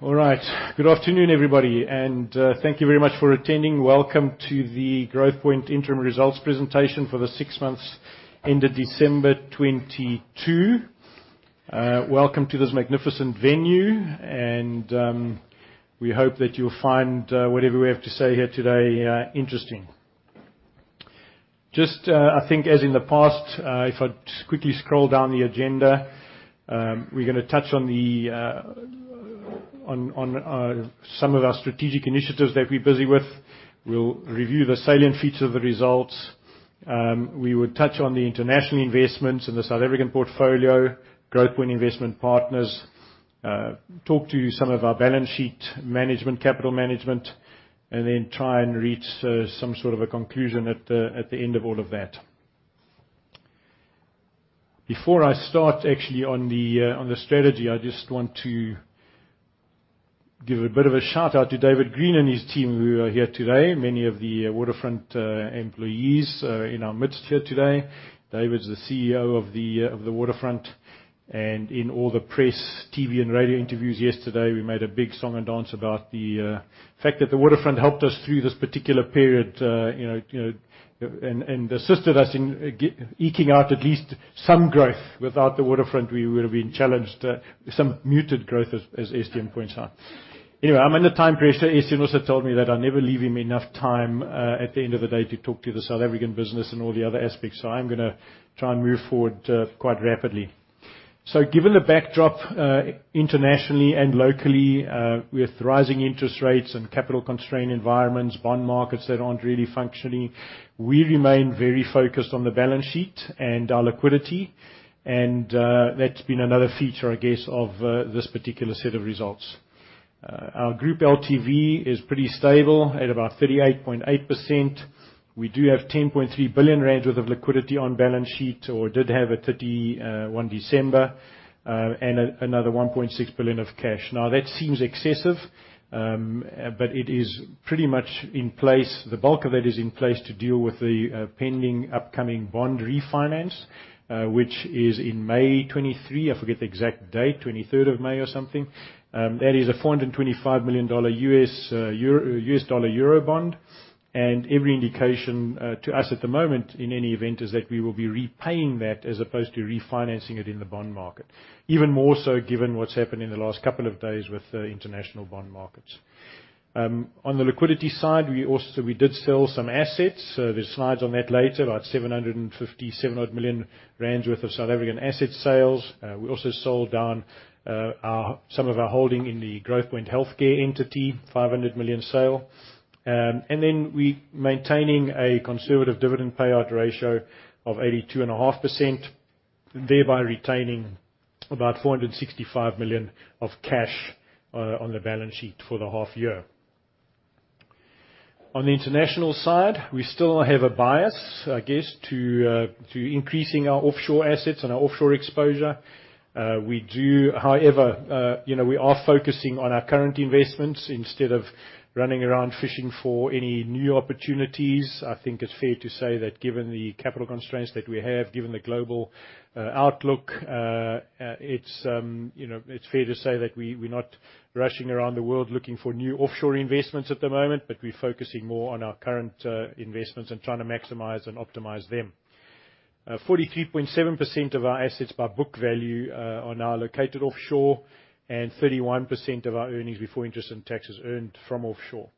All right. Good afternoon, everybody, thank you very much for attending. Welcome to the Growthpoint Interim Results presentation for the six months ended December 2022. Welcome to this magnificent venue, and we hope that you'll find whatever we have to say here today interesting. Just, I think as in the past, if I just quickly scroll down the agenda, we're gonna touch on some of our strategic initiatives that we're busy with. We'll review the salient features of the results. We would touch on the international investments in the South African portfolio, Growthpoint Investment Partners. Talk to you some of our balance sheet management, capital management, and then try and reach some sort of a conclusion at the end of all of that. Before I start actually on the strategy, I just want to give a bit of a shout-out to David Green and his team who are here today. Many of the Waterfront employees are in our midst here today. David's the CEO of the Waterfront, and in all the press, TV, and radio interviews yesterday, we made a big song and dance about the fact that the Waterfront helped us through this particular period, you know, you know, and assisted us in eking out at least some growth. Without the Waterfront, we would have been challenged. Some muted growth as Estienne points out. Anyway, I'm under time pressure. Estienne also told me that I never leave him enough time at the end of the day to talk to the South African business and all the other aspects. I am gonna try and move forward quite rapidly. Given the backdrop internationally and locally with rising interest rates and capital-constrained environments, bond markets that aren't really functioning, we remain very focused on the balance sheet and our liquidity. That's been another feature, I guess, of this particular set of results. Our group LTV is pretty stable at about 38.8%. We do have 10.3 billion rand worth of liquidity on balance sheet, or did have at 31 December, and another 1.6 billion of cash. Now that seems excessive, but it is pretty much in place. The bulk of it is in place to deal with the pending upcoming bond refinance, which is in May 2023. I forget the exact date, 23rd of May or something. That is a $425 million U.S. dollar-Euro bond. Every indication to us at the moment in any event is that we will be repaying that as opposed to refinancing it in the bond market. Even more so given what's happened in the last couple of days with international bond markets. On the liquidity side, we also did sell some assets. There's slides on that later, about 757 odd million worth of South African asset sales. We also sold down some of our holding in the Growthpoint Healthcare entity, 500 million sale. Then we maintaining a conservative dividend payout ratio of 82.5%, thereby retaining about 465 million of cash on the balance sheet for the half year. On the international side, we still have a bias, I guess, to increasing our offshore assets and our offshore exposure. We do, however, you know, we are focusing on our current investments instead of running around fishing for any new opportunities. I think it's fair to say that given the capital constraints that we have, given the global outlook, you know, it's fair to say that we're not rushing around the world looking for new offshore investments at the moment, but we're focusing more on our current investments and trying to maximize and optimize them. 43.7% of our assets by book value are now located offshore, and 31% of our EBIT is earned from offshore.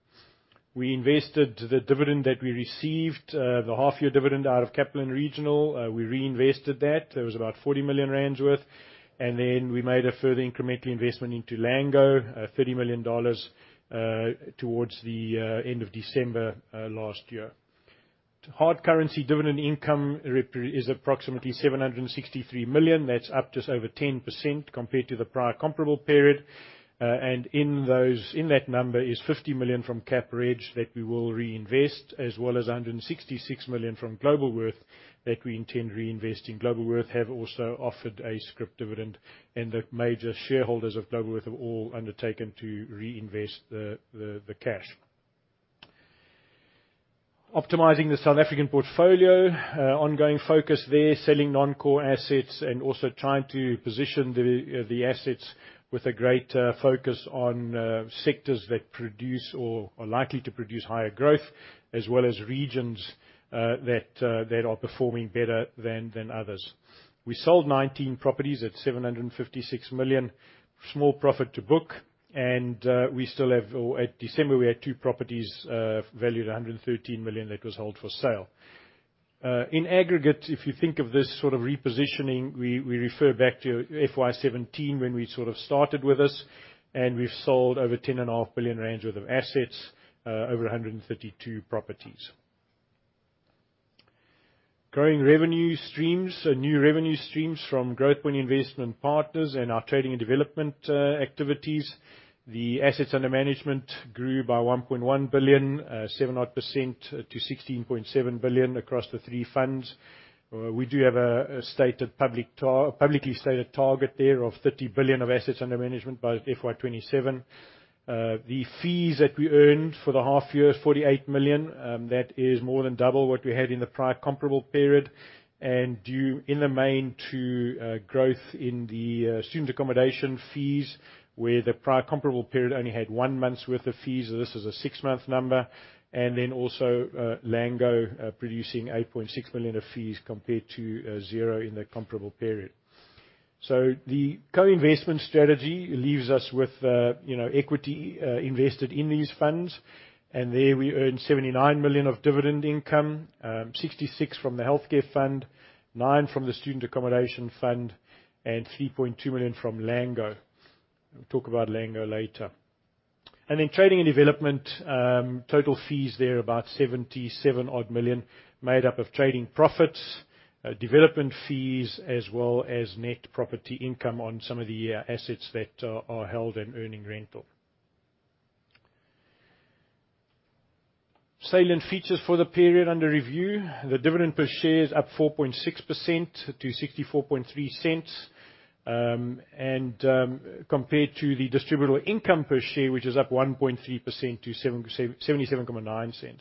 We invested the dividend that we received, the half year dividend out of Capital & Regional. We reinvested that. There was about 40 million rand worth. We made a further incremental investment into Lango, $30 million, towards the end of December last year. Hard currency dividend income is approximately 763 million. That's up just over 10% compared to the prior comparable period. In those, in that number is 50 million from CapReg that we will reinvest, as well as 166 million from Globalworth that we intend reinvesting. Globalworth have also offered a scrip dividend. The major shareholders of Globalworth have all undertaken to reinvest the cash. Optimizing the South African portfolio. Ongoing focus there, selling non-core assets also trying to position the assets with a great focus on sectors that produce or are likely to produce higher growth, as well as regions that are performing better than others. We sold 19 properties at 756 million, small profit to book. At December, we had two properties valued at 113 million that was held for sale. In aggregate, if you think of this sort of repositioning, we refer back to FY 2017 when we sort of started with this, and we've sold over 10.5 billion rand worth of assets, over 132 properties. Growing revenue streams. New revenue streams from Growthpoint Investment Partners and our trading and development activities. The assets under management grew by 1.1 billion, 7 odd percent to 16.7 billion across the three funds. We do have a publicly stated target there of 30 billion of assets under management by FY 2027. The fees that we earned for the half year is 48 million. That is more than double what we had in the prior comparable period. Due in the main to growth in the student accommodation fees, where the prior comparable period only had one month's worth of fees. This is a six-month number. Then also, Lango producing 8.6 million of fees compared to zero in the comparable period. The co-investment strategy leaves us with, you know, equity invested in these funds. There we earned 79 million of dividend income, 66 million from the healthcare fund, 9 million from the student accommodation fund, and 3.2 million from Lango. We'll talk about Lango later. In trading and development, total fees there about 77 odd million made up of trading profits, development fees, as well as net property income on some of the assets that are held and earning rental. Salient features for the period under review. The dividend per share is up 4.6% to 0.643. Compared to the distributable income per share, which is up 1.3% to 0.779.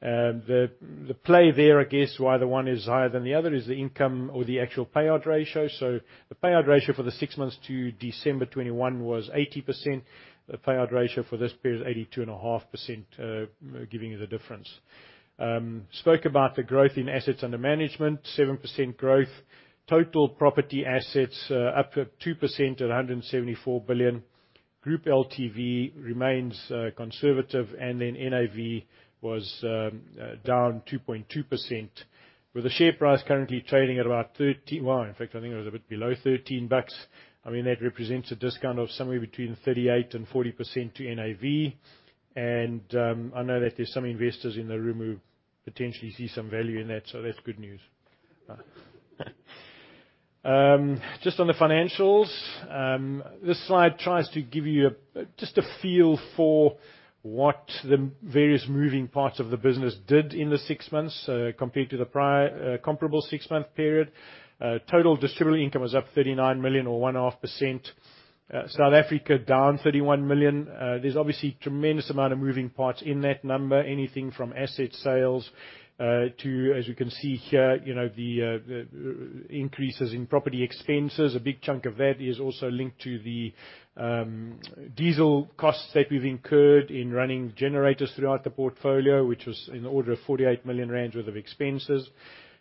The play there, I guess, why the one is higher than the other is the income or the actual payout ratio. The payout ratio for the six months to December 2021 was 80%. The payout ratio for this period is 82.5%, giving you the difference. Spoke about the growth in assets under management, 7% growth. Total property assets up at 2% at 174 billion. Group LTV remains conservative, NAV was down 2.2%, with the share price currently trading at about I think it was a bit below ZAR 13. I mean, that represents a discount of somewhere between 38%-40% to NAV. I know that there's some investors in the room who potentially see some value in that, so that's good news. Just on the financials, this slide tries to give you just a feel for what the various moving parts of the business did in the six months compared to the prior comparable six month period. Total distributable income was up 39 million or 1.5%. South Africa down 31 million. There's obviously tremendous amount of moving parts in that number, anything from asset sales, as you can see here, you know, the increases in property expenses. A big chunk of that is also linked to the diesel costs that we've incurred in running generators throughout the portfolio, which was in the order of 48 million rand worth of expenses.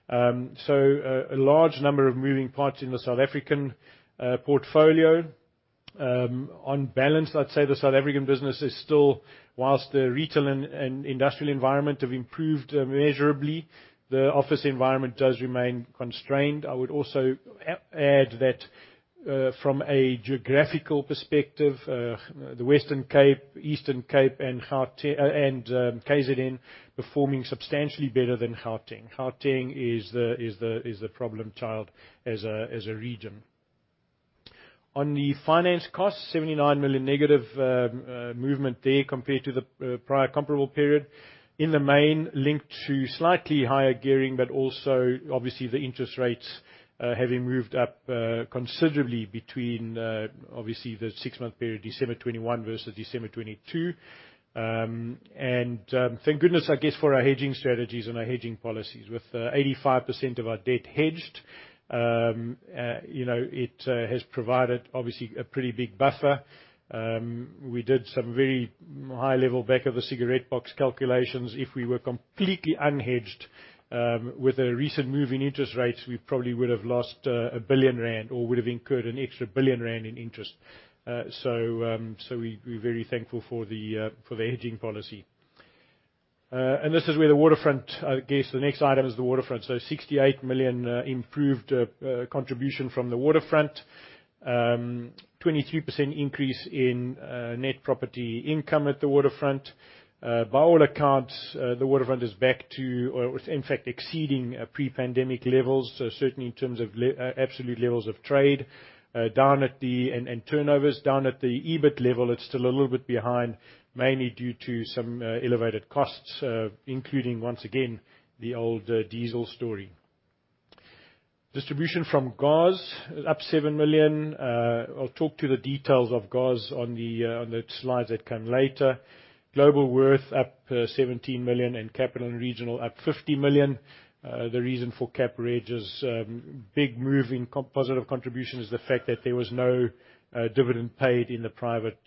A large number of moving parts in the South African portfolio. On balance, I'd say the South African business is still, whilst the retail and industrial environment have improved immeasurably, the office environment does remain constrained. I would also add that, from a geographical perspective, the Western Cape, Eastern Cape and KZN performing substantially better than Gauteng. Gauteng is the problem child as a region. On the finance costs, 79 million negative movement there compared to the prior comparable period. In the main, linked to slightly higher gearing, but also obviously the interest rates having moved up considerably between obviously the six month period, December 2021 versus December 2022. Thank goodness, I guess, for our hedging strategies and our hedging policies. With 85% of our debt hedged, you know, it has provided obviously a pretty big buffer. We did some very high level back of the cigarette box calculations. If we were completely unhedged, with a recent move in interest rates, we probably would have lost 1 billion rand or would have incurred an extra 1 billion rand in interest. We are very thankful for the hedging policy. This is where the Waterfront, I guess, the next item is the Waterfront. 68 million improved contribution from the Waterfront. 23% increase in net property income at the Waterfront. By all accounts, the Waterfront is back to or it's in fact exceeding pre-pandemic levels. Certainly in terms of absolute levels of trade and turnovers. Down at the EBIT level, it's still a little bit behind, mainly due to some elevated costs, including once again, the old diesel story. Distribution from GOZ up 7 million. I'll talk to the details of GOZ on the slides that come later. Globalworth up 17 million, Capital & Regional up 50 million. The reason for CapReg's big move in positive contribution is the fact that there was no dividend paid in the private,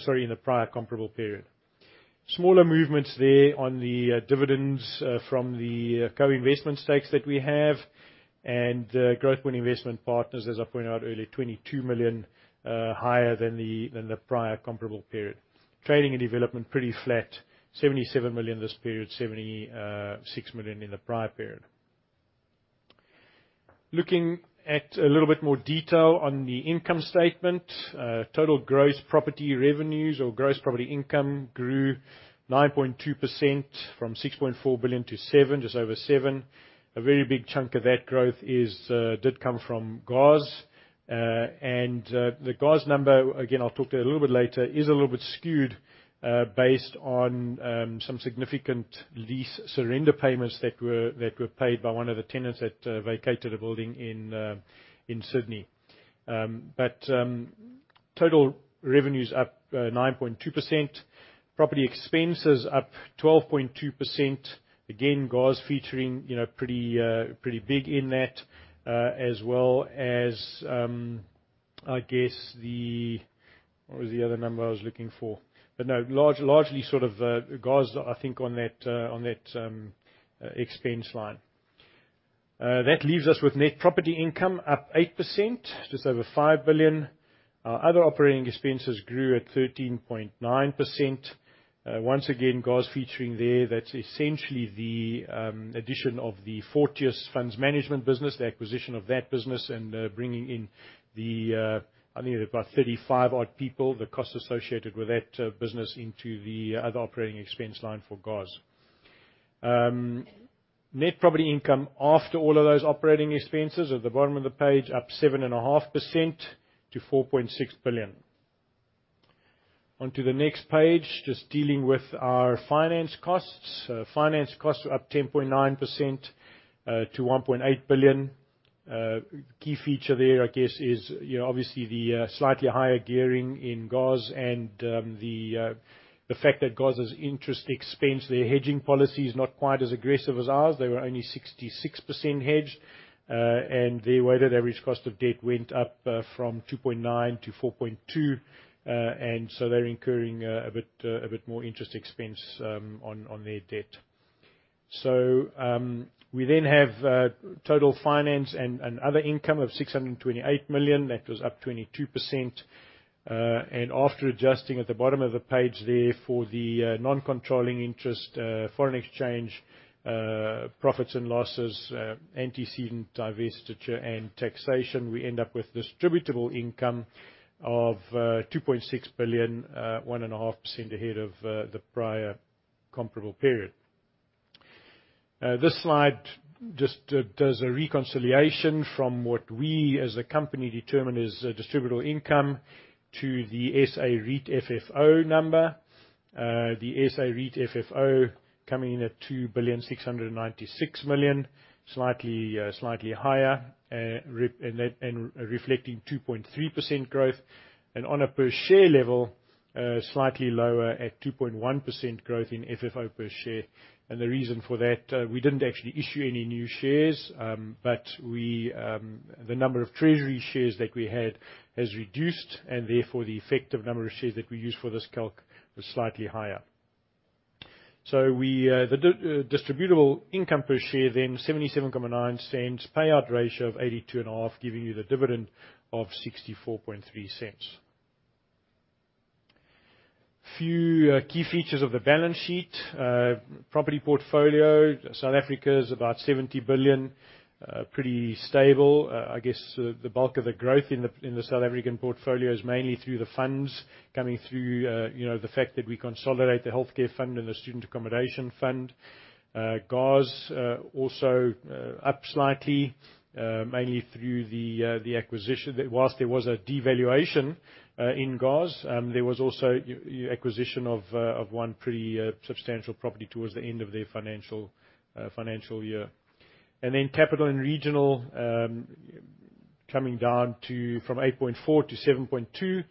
sorry, in the prior comparable period. Smaller movements there on the dividends from the co-investment stakes that we have. Growthpoint Investment Partners, as I pointed out earlier, 22 million higher than the prior comparable period. Trading and development pretty flat. 77 million this period, 76 million in the prior period. Looking at a little bit more detail on the income statement. Total gross property revenues or gross property income grew 9.2% from 6.4 billion to 7 billion, just over 7 billion. A very big chunk of that growth did come from GOZ. The GOZ number, again, I'll talk to it a little bit later, is a little bit skewed based on some significant lease surrender payments that were paid by one of the tenants that vacated a building in Sydney. Total revenue's up 9.2%. Property expense is up 12.2%. Again, GOZ featuring, you know, pretty big in that, as well as, What was the other number I was looking for? No, largely sort of GOZ, I think, on that expense line. That leaves us with net property income up 8%, just over 5 billion. Our other operating expenses grew at 13.9%. Once again, GOZ featuring there. That's essentially the addition of the Fortius Funds Management business, the acquisition of that business, and bringing in the I think about 35 odd people, the cost associated with that business into the other operating expense line for GOZ. Net property income after all of those operating expenses at the bottom of the page, up 7.5% to 4.6 billion. On to the next page, just dealing with our finance costs. Finance costs were up 10.9% to 1.8 billion. Key feature there, I guess is, you know, obviously the slightly higher gearing in GOZ and the fact that GOZ's interest expense, their hedging policy is not quite as aggressive as ours. They were only 66% hedged, their weighted average cost of debt went up from 2.9% to 4.2%. They're incurring a bit more interest expense on their debt. We then have total finance and other income of 628 million. That was up 22%. After adjusting at the bottom of the page there for the non-controlling interest, foreign exchange profits and losses, antecedent divestiture and taxation, we end up with distributable income of 2.6 billion, 1.5% ahead of the prior comparable period. This slide just does a reconciliation from what we as a company determine as distributable income to the SA REIT FFO number. The SA REIT FFO coming in at 2.696 billion, slightly higher, and reflecting 2.3% growth. On a per share level, slightly lower at 2.1% growth in FFO per share. The reason for that, we didn't actually issue any new shares, but we, the number of treasury shares that we had has reduced, and therefore, the effective number of shares that we use for this calc was slightly higher. The distributable income per share then 0.779, payout ratio of 82.5%, giving you the dividend of 0.643. Few key features of the balance sheet. Property portfolio, South Africa is about 70 billion, pretty stable. I guess, the bulk of the growth in the South African portfolio is mainly through the funds coming through, you know, the fact that we consolidate the healthcare fund and the student accommodation fund. GOZ also up slightly, mainly through the acquisition. Whilst there was a devaluation in GOZ, there was also a acquisition of one pretty substantial property towards the end of their financial year. Capital & Regional coming down from 8.4 billion to 7.2 billion,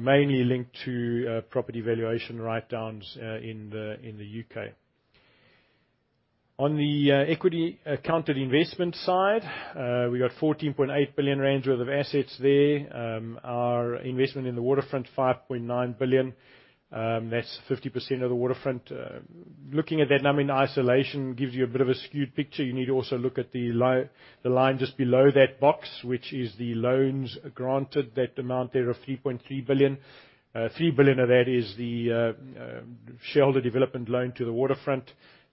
mainly linked to property valuation write-downs in the U.K. On the equity accounted investment side, we got 14.8 billion worth of assets there. Our investment in the Waterfront, 5.9 billion. That's 50% of the Waterfront. Looking at that number in isolation gives you a bit of a skewed picture. You need to also look at the line just below that box, which is the loans granted. That amount there of 3.3 billion. 3 billion of that is the shareholder development loan to the Waterfront.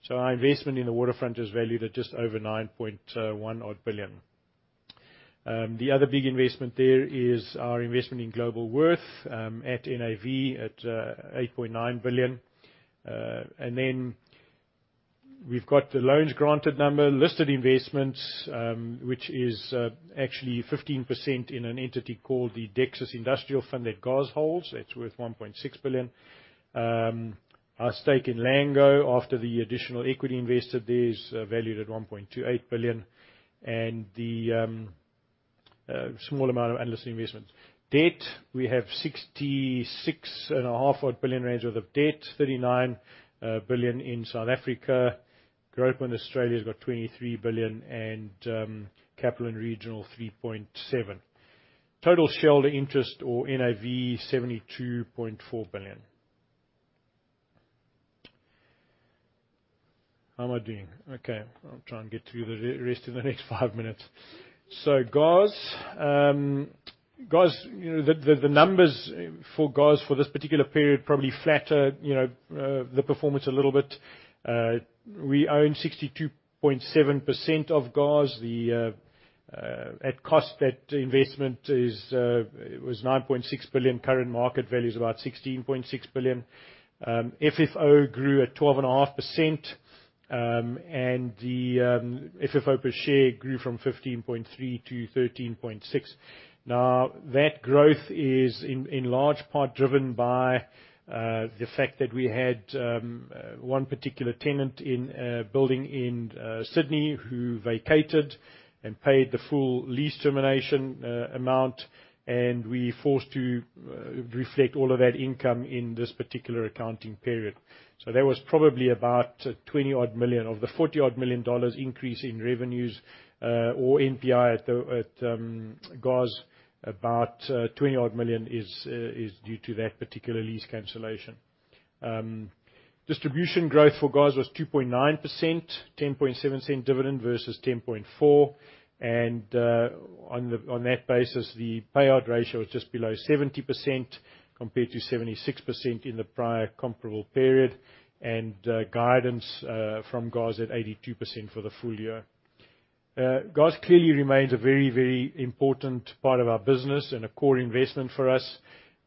Our investment in the Waterfront is valued at just over 9.1 odd billion. The other big investment there is our investment in Globalworth at NAV at 8.9 billion. We've got the loans granted number, listed investments, which is actually 15% in an entity called the Dexus Industrial Fund that GOZ holds. That's worth 1.6 billion. Our stake in Lango after the additional equity invested there is valued at 1.28 billion, and the small amount of unlisted investments. Debt, we have about 66.5 billion rand worth of debt, 39 billion in South Africa. Growthpoint Australia's got 23 billion and Capital & Regional, 3.7 billion. Total shareholder interest or NAV, 72.4 billion. How am I doing? Okay, I'll try and get through the rest in the next 5 minutes. GOZ. GOZ, you know, the numbers for GOZ for this particular period probably flatter, you know, the performance a little bit. We own 62.7% of GOZ. The at cost, that investment is it was 9.6 billion. Current market value is about 16.6 billion. FFO grew at 12.5%, and the FFO per share grew from 15.3 to 13.6. That growth is in large part driven by the fact that we had one particular tenant in a building in Sydney who vacated and paid the full lease termination amount, and we're forced to reflect all of that income in this particular accounting period. There was probably about $20 million. Of the $40 million increase in revenues, or NPI at GOZ, about $20 million is due to that particular lease cancellation. Distribution growth for GOZ was 2.9%, 0.107 dividend versus 0.104. On that basis, the payout ratio was just below 70% compared to 76% in the prior comparable period. Guidance from GOZ at 82% for the full year. GOZ clearly remains a very important part of our business and a core investment for us,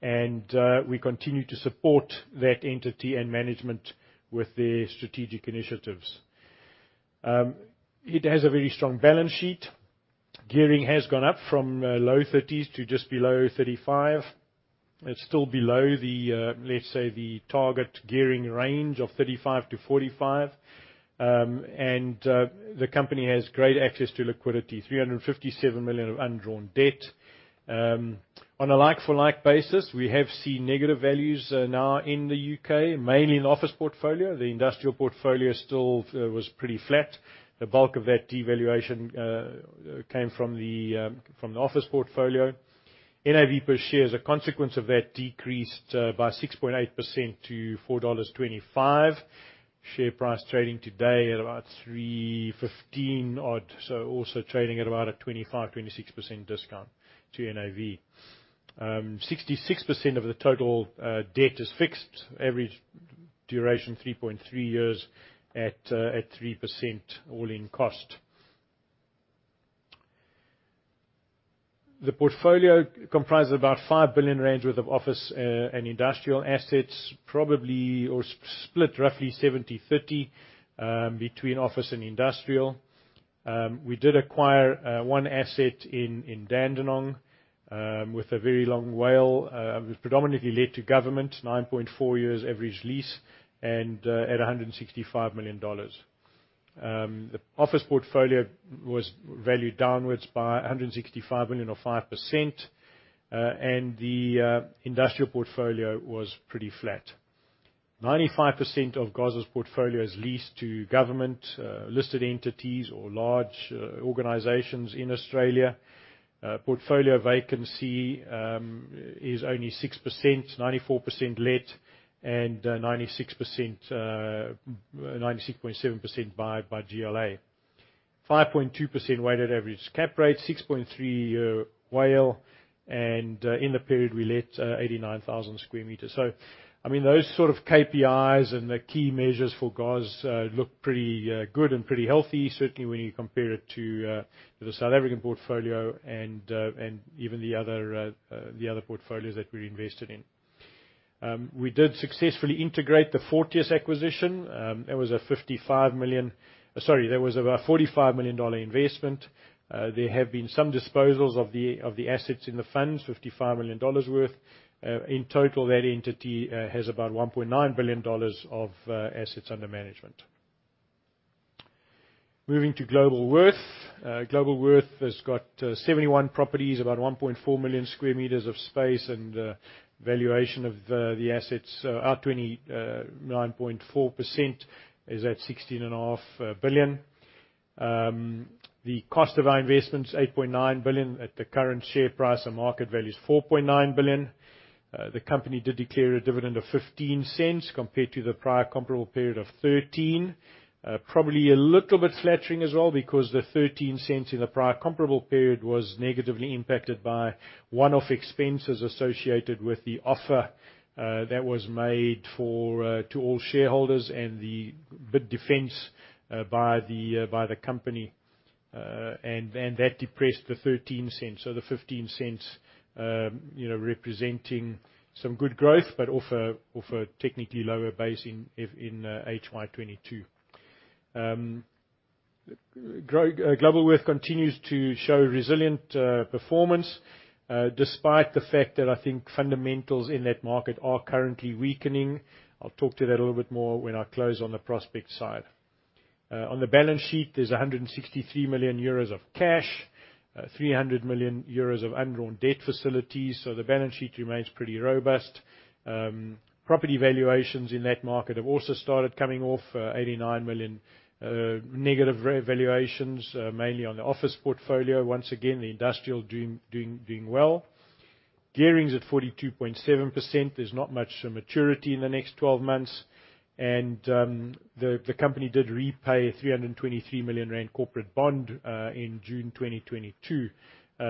and we continue to support that entity and management with their strategic initiatives. It has a very strong balance sheet. Gearing has gone up from low 30s to just below 35. It's still below the, let's say, the target gearing range of 35-45. The company has great access to liquidity, 357 million of undrawn debt. On a like for like basis, we have seen negative values now in the U.K., mainly in the office portfolio. The industrial portfolio still was pretty flat. The bulk of that devaluation came from the office portfolio. NAV per share as a consequence of that decreased by 6.8% to 4.25 dollars. Share price trading today at about 3.15 odd, also trading at about a 25%-26% discount to NAV. 66% of the total debt is fixed. Average duration 3.3 years at 3% all-in cost. The portfolio comprises about 5 billion range worth of office and industrial assets, probably split roughly 70/30 between office and industrial. We did acquire one asset in Dandenong with a very long WALE, predominantly led to government, 9.4 years average lease and at 165 million dollars. The office portfolio was valued downwards by 165 million or 5%, and the industrial portfolio was pretty flat. 95% of GOZ's portfolio is leased to government, listed entities or large organizations in Australia. Portfolio vacancy is only 6%, 94% let and 96%, 96.7% by GLA. 5.2% weighted average cap rate, 6.3 WALE, and in the period, we let 89,000 square meters. I mean, those sort of KPIs and the key measures for GOZ look pretty good and pretty healthy, certainly when you compare it to the South African portfolio and even the other portfolios that we're invested in. We did successfully integrate the Fortius acquisition. Sorry, that was about a 45 million dollar investment. There have been some disposals of the assets in the funds, 55 million dollars worth. In total, that entity has about 1.9 billion dollars of assets under management. Moving to Globalworth. Globalworth has got 71 properties, about 1.4 million square meters of space and valuation of the assets at 29.4% is at 16.5 billion. The cost of our investment is 8.9 billion. At the current share price, the market value is 4.9 billion. The company did declare a dividend of 0.15 compared to the prior comparable period of 0.13. Probably a little bit flattering as well because the 0.13 in the prior comparable period was negatively impacted by one-off expenses associated with the offer that was made for to all shareholders and the bid defense by the company. That depressed the 0.13. The 0.15, you know, representing some good growth but off a technically lower base in FY 2022. Globalworth continues to show resilient performance despite the fact that I think fundamentals in that market are currently weakening. I'll talk to that a little bit more when I close on the prospect side. On the balance sheet, there's 163 million euros of cash, 300 million euros of undrawn debt facilities. The balance sheet remains pretty robust. Property valuations in that market have also started coming off, 89 million negative re-valuations, mainly on the office portfolio. Once again, the industrial doing well. Gearing's at 42.7%. There's not much maturity in the next 12 months. The company did repay EUR 323 million corporate bond in June 2022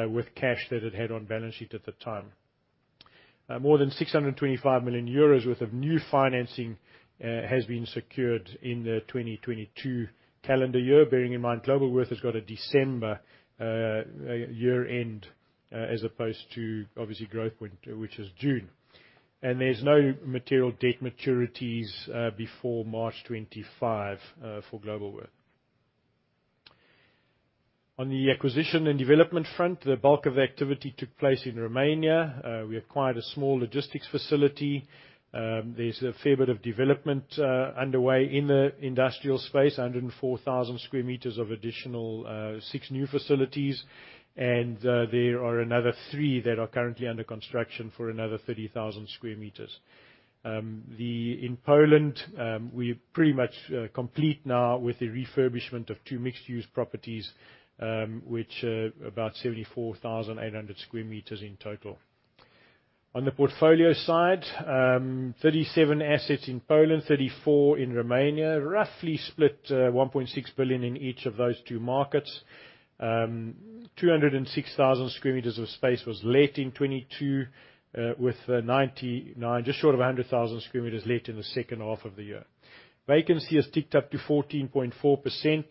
with cash that it had on balance sheet at the time. More than 625 million euros worth of new financing has been secured in the 2022 calendar year. Bearing in mind, Globalworth has got a December year-end as opposed to, obviously, Growthpoint, which is June. There's no material debt maturities before March 2025 for Globalworth. On the acquisition and development front, the bulk of activity took place in Romania. We acquired a small logistics facility. There's a fair bit of development underway in the industrial space, 104,000 square meters of additional, six new facilities. There are another three that are currently under construction for another 30,000 square meters. In Poland, we pretty much complete now with the refurbishment of two mixed-use properties, which are about 74,800 square meters in total. On the portfolio side, 37 assets in Poland, 34 in Romania, roughly split, 1.6 billion in each of those two markets. 206,000 square meters of space was let in 2022, with 99, just short of 100,000 square meters let in the second half of the year. Vacancy has ticked up to 14.4%.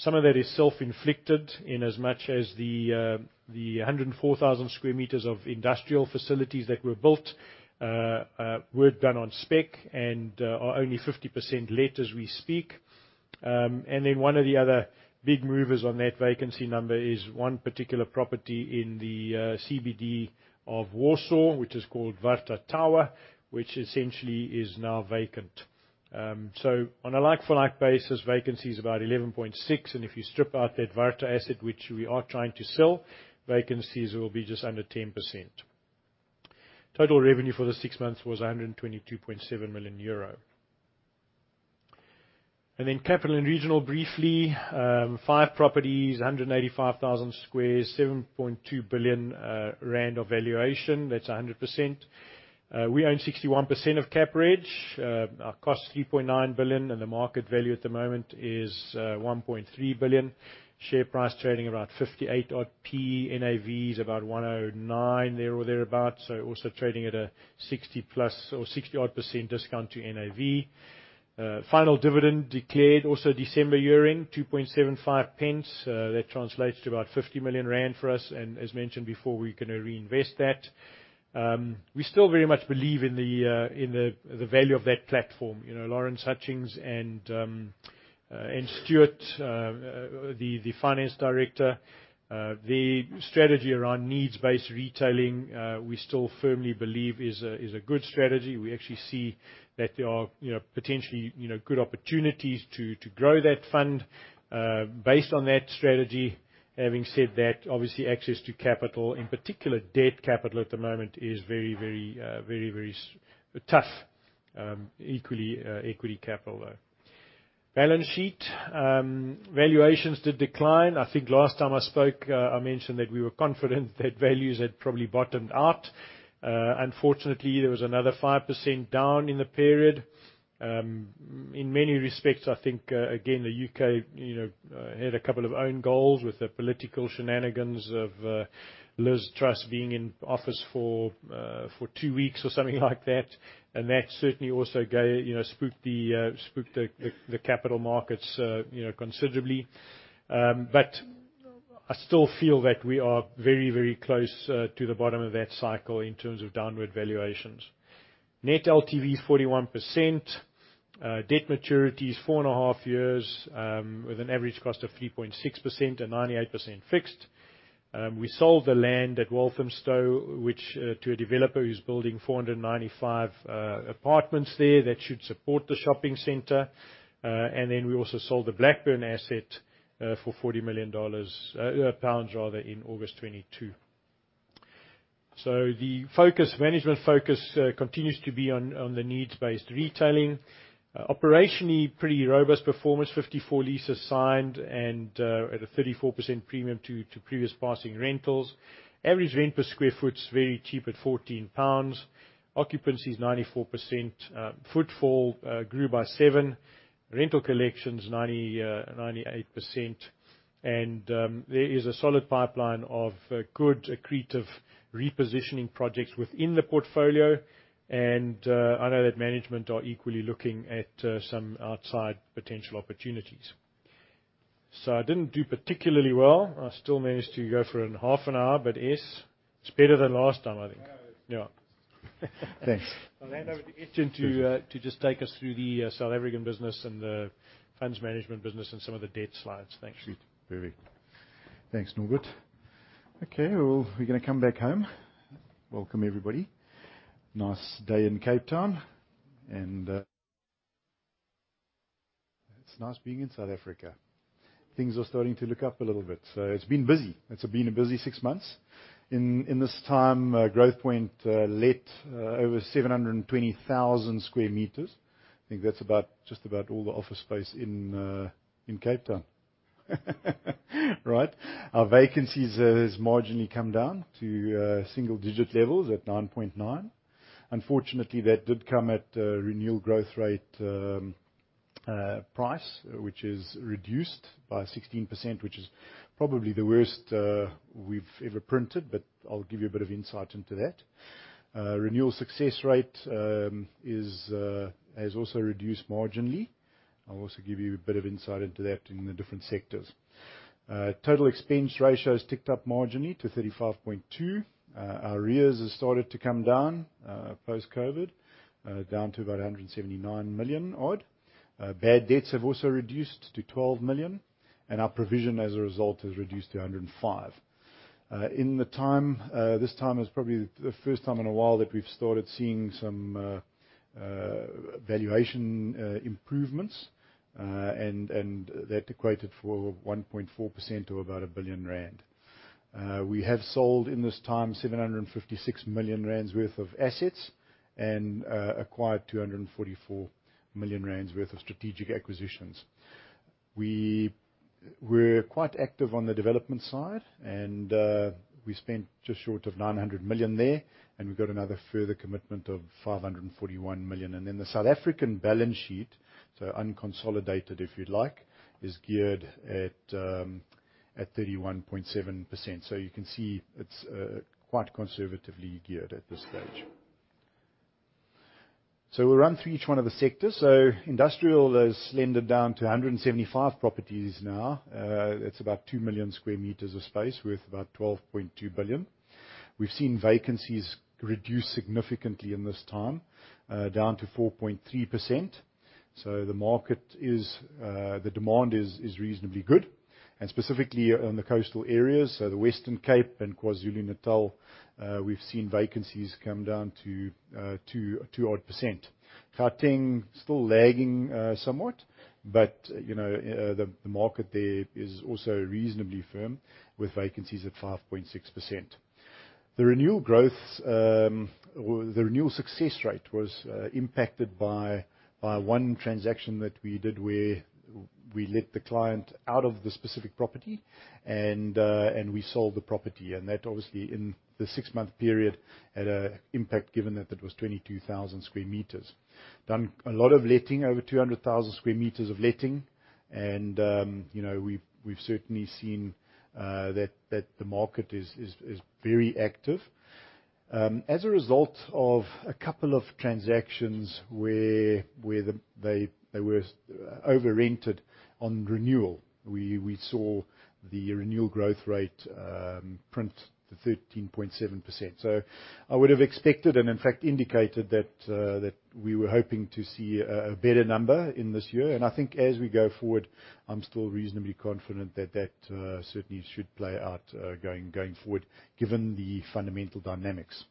Some of that is self-inflicted in as much as the 104,000 square meters of industrial facilities that were built were done on spec and are only 50% let as we speak. One of the other big movers on that vacancy number is one particular property in the CBD of Warsaw, which is called Warta Tower, which essentially is now vacant. On a like-for-like basis, vacancy is about 11.6, and if you strip out that Warta asset, which we are trying to sell, vacancies will be just under 10%. Total revenue for the six months was 122.7 million euro. Capital & Regional, briefly, five properties, 185,000 squares, 7.2 billion rand of valuation. That's 100%. We own 61% of CapReg. Our cost, 3.9 billion, and the market value at the moment is 1.3 billion. Share price trading about 0.58 odd. NAV is about 1.09, there or thereabout. Also trading at a 60%+ or 60% odd discount to NAV. Final dividend declared, also December year-end, 0.0275. That translates to about 50 million rand for us. As mentioned before, we're gonna reinvest that. We still very much believe in the value of that platform. You know, Lawrence Hutchings and Stuart, the finance director, their strategy around needs-based retailing, we still firmly believe is a good strategy. We actually see that there are potentially good opportunities to grow that fund based on that strategy. Having said that, obviously, access to capital, in particular debt capital at the moment is very, very tough, equally, equity capital, though. Balance sheet, valuations did decline. I think last time I spoke, I mentioned that we were confident that values had probably bottomed out. Unfortunately, there was another 5% down in the period. In many respects, I think again, the U.K. had a couple of own goals with the political shenanigans of Liz Truss being in office for two weeks or something like that. That certainly also spooked the capital markets considerably. I still feel that we are very, very close to the bottom of that cycle in terms of downward valuations. Net LTV, 41%. Debt maturity is 4.5 years, with an average cost of 3.6% and 98% fixed. We sold the land at Walthamstow, which to a developer who's building 495 apartments there. That should support the shopping center. We also sold the Blackburn asset for GBP 40 million in August 2022. The focus, management focus, continues to be on the needs-based retailing. Operationally, pretty robust performance, 54 leases signed and at a 34% premium to previous passing rentals. Average rent per square foot's very cheap at 14 pounds. Occupancy is 94%. Footfall grew by seven. Rental collections, 98%. There is a solid pipeline of good accretive repositioning projects within the portfolio. I know that management are equally looking at some outside potential opportunities. I didn't do particularly well. I still managed to go for an half an hour, but yes, it's better than last time, I think. Yeah, it is. Thanks. I'll hand over to Estienne to just take us through the South African business and the funds management business and some of the debt slides. Thanks. Sweet. Very. Thanks, Norbert. Well, we're gonna come back home. Welcome, everybody. Nice day in Cape Town, and it's nice being in South Africa. Things are starting to look up a little bit. It's been busy. It's been a busy six months. In this time, Growthpoint let over 720,000 sq meters. I think that's about, just about all the office space in Cape Town. Right. Our vacancies has marginally come down to single digit levels at 9.9%. Unfortunately, that did come at renewal growth rate price, which is reduced by 16%, which is probably the worst we've ever printed, but I'll give you a bit of insight into that. Renewal success rate has also reduced marginally. I'll also give you a bit of insight into that in the different sectors. Total expense ratio has ticked up marginally to 35.2%. Our arrears has started to come down post-COVID, down to about 179 million odd. Bad debts have also reduced to 12 million, and our provision as a result has reduced to 105 million. In the time, this time is probably the first time in a while that we've started seeing some valuation improvements. That equated for 1.4% to about 1 billion rand. We have sold in this time 756 million rand worth of assets and acquired 244 million rand worth of strategic acquisitions. We're quite active on the development side, and we spent just short of 900 million there, and we've got another further commitment of 541 million. The South African balance sheet, so unconsolidated, if you'd like, is geared at 31.7%. You can see it's quite conservatively geared at this stage. We'll run through each one of the sectors. Industrial has slendered down to 175 properties now. That's about 2 million square meters of space with about 12.2 billion. We've seen vacancies reduce significantly in this time, down to 4.3%. The market is the demand is reasonably good. Specifically in the coastal areas, so the Western Cape and KwaZulu-Natal, we've seen vacancies come down to 2 odd percent. Gauteng still lagging, somewhat, you know, the market there is also reasonably firm with vacancies at 5.6%. The renewal growth, or the renewal success rate was impacted by one transaction that we did where we let the client out of the specific property and we sold the property. That obviously in the six month period, had a impact given that it was 22,000 square meters. Done a lot of letting, over 200,000 square meters of letting, you know, we've certainly seen the market is very active. As a result of a couple of transactions where the they were over-rented on renewal, we saw the renewal growth rate print to 13.7%. I would have expected and in fact indicated that we were hoping to see a better number in this year. I think as we go forward, I'm still reasonably confident that certainly should play out going forward, given the fundamental dynamics.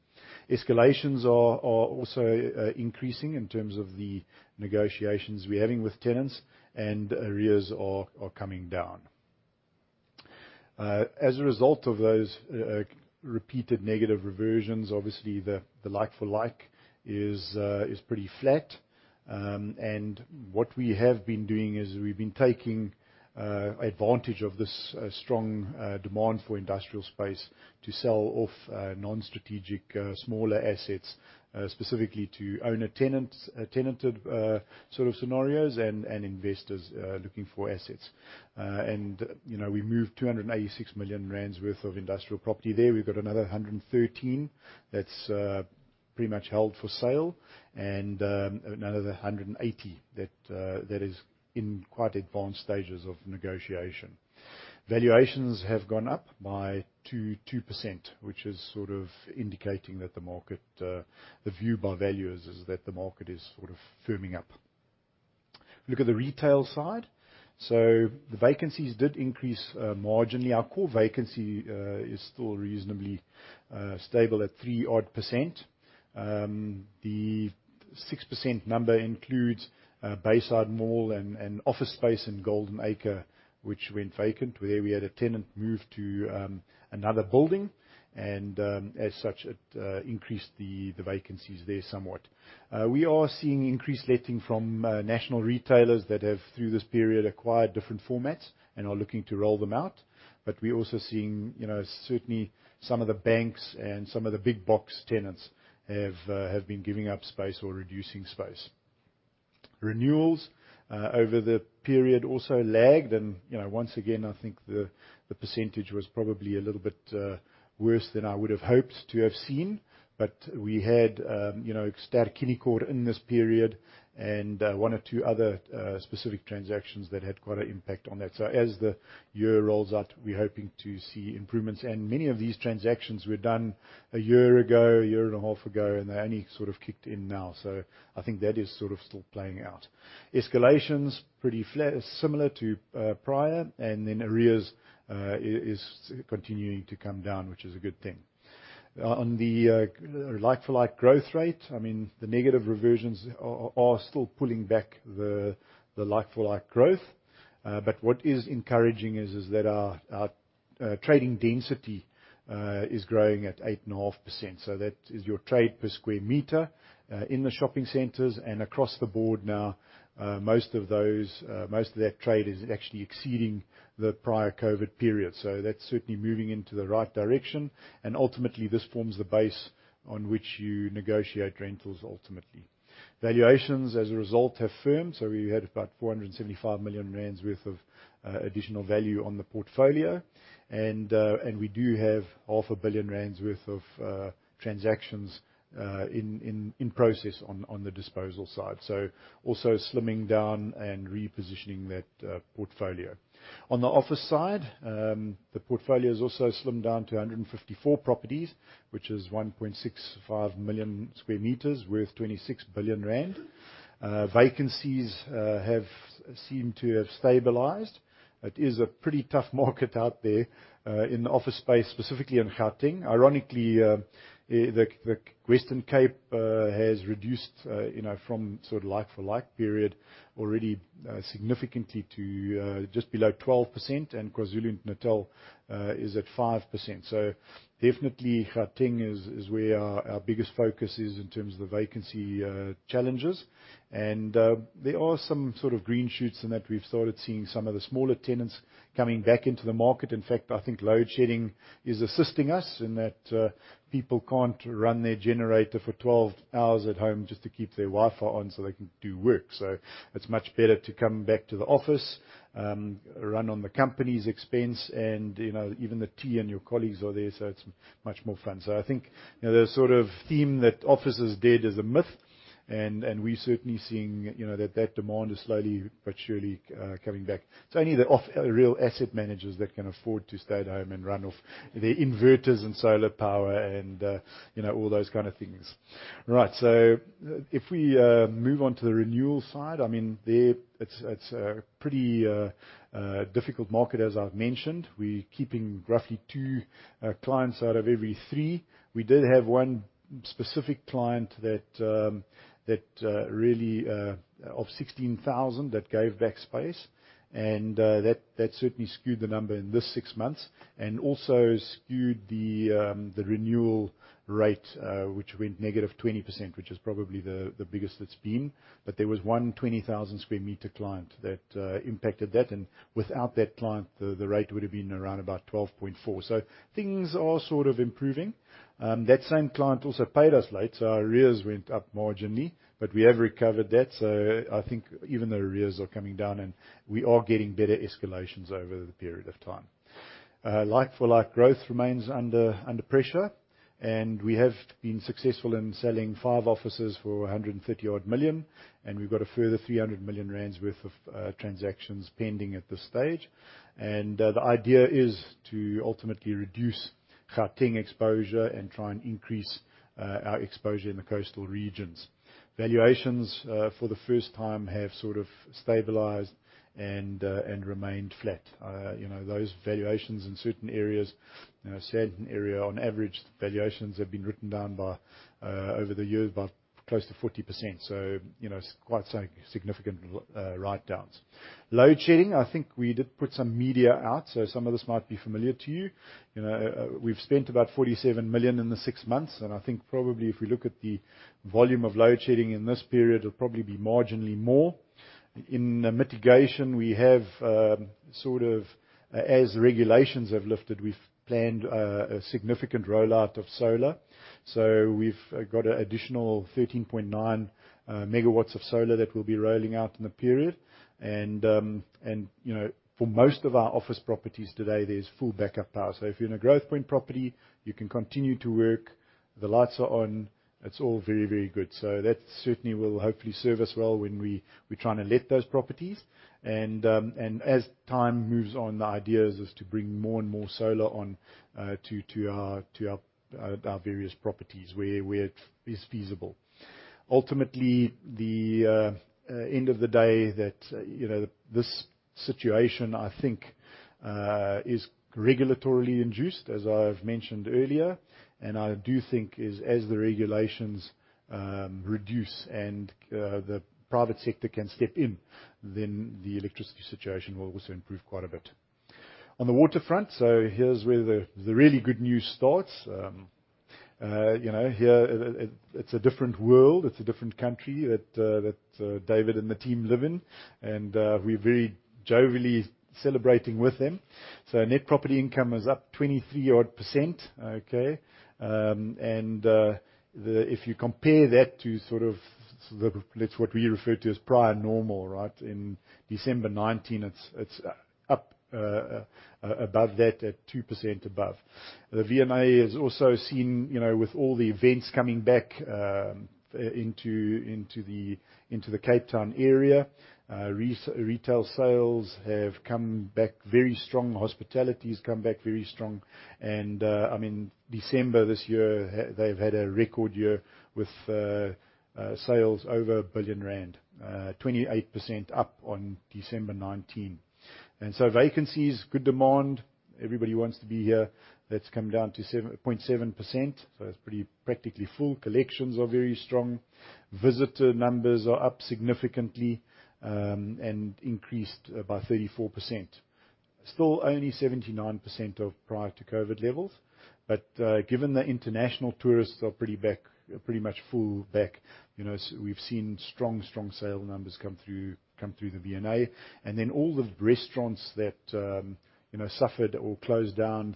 Escalations are also increasing in terms of the negotiations we're having with tenants, and arrears are coming down. As a result of those repeated negative reversions, obviously the like for like is pretty flat. What we have been doing is we've been taking advantage of this strong demand for industrial space to sell off non-strategic smaller assets specifically to owner tenants, tenanted sort of scenarios and investors looking for assets. You know, we moved 286 million rand worth of industrial property there. We've got another 113 that's pretty much held for sale and another 180 that is in quite advanced stages of negotiation. Valuations have gone up by 2%, which is sort of indicating that the market, the view by valuers is that the market is sort of firming up. Look at the retail side. The vacancies did increase marginally. Our core vacancy is still reasonably stable at 3 odd percent. The 6% number includes Bayside Mall and office space in Golden Acre, which went vacant, where we had a tenant move to another building, and as such, it increased the vacancies there somewhat. We are seeing increased letting from national retailers that have, through this period, acquired different formats and are looking to roll them out. We're also seeing, you know, certainly some of the banks and some of the big box tenants have been giving up space or reducing space. Renewals over the period also lagged and, you know, once again, I think the percentage was probably a little bit worse than I would have hoped to have seen. We had, you know, Ster-Kinekor in this period and one or two other specific transactions that had quite an impact on that. As the year rolls out, we're hoping to see improvements. Many of these transactions were done a year ago, a year and a half ago, and they only sort of kicked in now. I think that is sort of still playing out. Escalations, pretty similar to prior. Arrears is continuing to come down, which is a good thing. On the like-for-like growth rate, I mean, the negative reversions are still pulling back the like-for-like growth. What is encouraging is that our trading density is growing at 8.5%. That is your trade per square meter in the shopping centers and across the board now, most of those, most of that trade is actually exceeding the prior COVID period. That's certainly moving into the right direction, and ultimately, this forms the base on which you negotiate rentals ultimately. Valuations as a result have firmed. We had about 475 million rand worth of additional value on the portfolio. We do have half a billion ZAR worth of transactions in process on the disposal side. Also slimming down and repositioning that portfolio. On the office side, the portfolio has also slimmed down to 154 properties, which is 1.65 million square meters worth 26 billion rand. Vacancies have seemed to have stabilized. It is a pretty tough market out there in the office space, specifically in Gauteng. Ironically, the Western Cape has reduced, you know, from sort of like for like period already, significantly to just below 12%, and KwaZulu-Natal is at 5%. Definitely Gauteng is where our biggest focus is in terms of the vacancy challenges. There are some sort of green shoots in that we've started seeing some of the smaller tenants coming back into the market. In fact, I think load shedding is assisting us in that people can't run their generator for 12 hours at home just to keep their Wi-Fi on, so they can do work. It's much better to come back to the office, run on the company's expense, and, you know, even the tea and your colleagues are there, so it's much more fun. I think, you know, the sort of theme that office is dead is a myth, and we're certainly seeing, you know, that demand is slowly but surely coming back. real asset managers that can afford to stay at home and run off their inverters and solar power and, you know, all those kind of things. Right. If we move on to the renewal side, I mean, there it's a pretty difficult market as I've mentioned. We're keeping roughly two clients out of every three. We did have one specific client that really of 16,000 that gave back space. That certainly skewed the number in this six months and also skewed the renewal rate, which went -20%, which is probably the biggest it's been. There was one 20,000 square meter client that impacted that. And without that client, the rate would have been around about 12.4. Things are sort of improving. That same client also paid us late, our arrears went up marginally, but we have recovered that. I think even the arrears are coming down, and we are getting better escalations over the period of time. Like for like growth remains under pressure, and we have been successful in selling five offices for 130 million, and we've got a further 300 million rand worth of transactions pending at this stage. The idea is to ultimately reduce Gauteng exposure and try and increase our exposure in the coastal regions. Valuations for the first time have sort of stabilized and remained flat. You know, those valuations in certain areas, you know, Sandton area on average, valuations have been written down by over the years by close to 40%. You know, it's quite significant write-downs. Load shedding, I think we did put some media out, so some of this might be familiar to you. You know, we've spent about 47 million in the six months, and I think probably if we look at the volume of load shedding in this period, it'll probably be marginally more. In mitigation, we have, sort of, as regulations have lifted, we've planned a significant rollout of solar. We've got an additional 13.9 megawatts of solar that we'll be rolling out in the period. You know, for most of our office properties today, there's full backup power. If you're in a Growthpoint property, you can continue to work. The lights are on. It's all very, very good. That certainly will hopefully serve us well when we trying to let those properties. As time moves on, the idea is to bring more and more solar on to our various properties where it is feasible. Ultimately, the end of the day that, you know, this situation, I think, is regulatorily induced, as I've mentioned earlier. I do think is, as the regulations reduce and the private sector can step in, then the electricity situation will also improve quite a bit. On the Waterfront, here's where the really good news starts. You know, here it's a different world, it's a different country that David and the team live in. We're very jovially celebrating with them. Net property income is up 23 odd %. If you compare that to sort of the what we refer to as prior normal. In December 2019, it's up above that at 2% above. The V&A has also seen, you know, with all the events coming back into the Cape Town area, retail sales have come back very strong. Hospitality has come back very strong. I mean, December this year, they've had a record year with sales over 1 billion rand, 28% up on December 2019. Vacancies, good demand. Everybody wants to be here. That's come down to 7.7%. It's pretty practically full. Collections are very strong. Visitor numbers are up significantly, and increased by 34%. Still only 79% of prior to COVID levels. Given the international tourists are pretty back, pretty much full back, you know, we've seen strong sale numbers come through the V&A. All the restaurants that, you know, suffered or closed down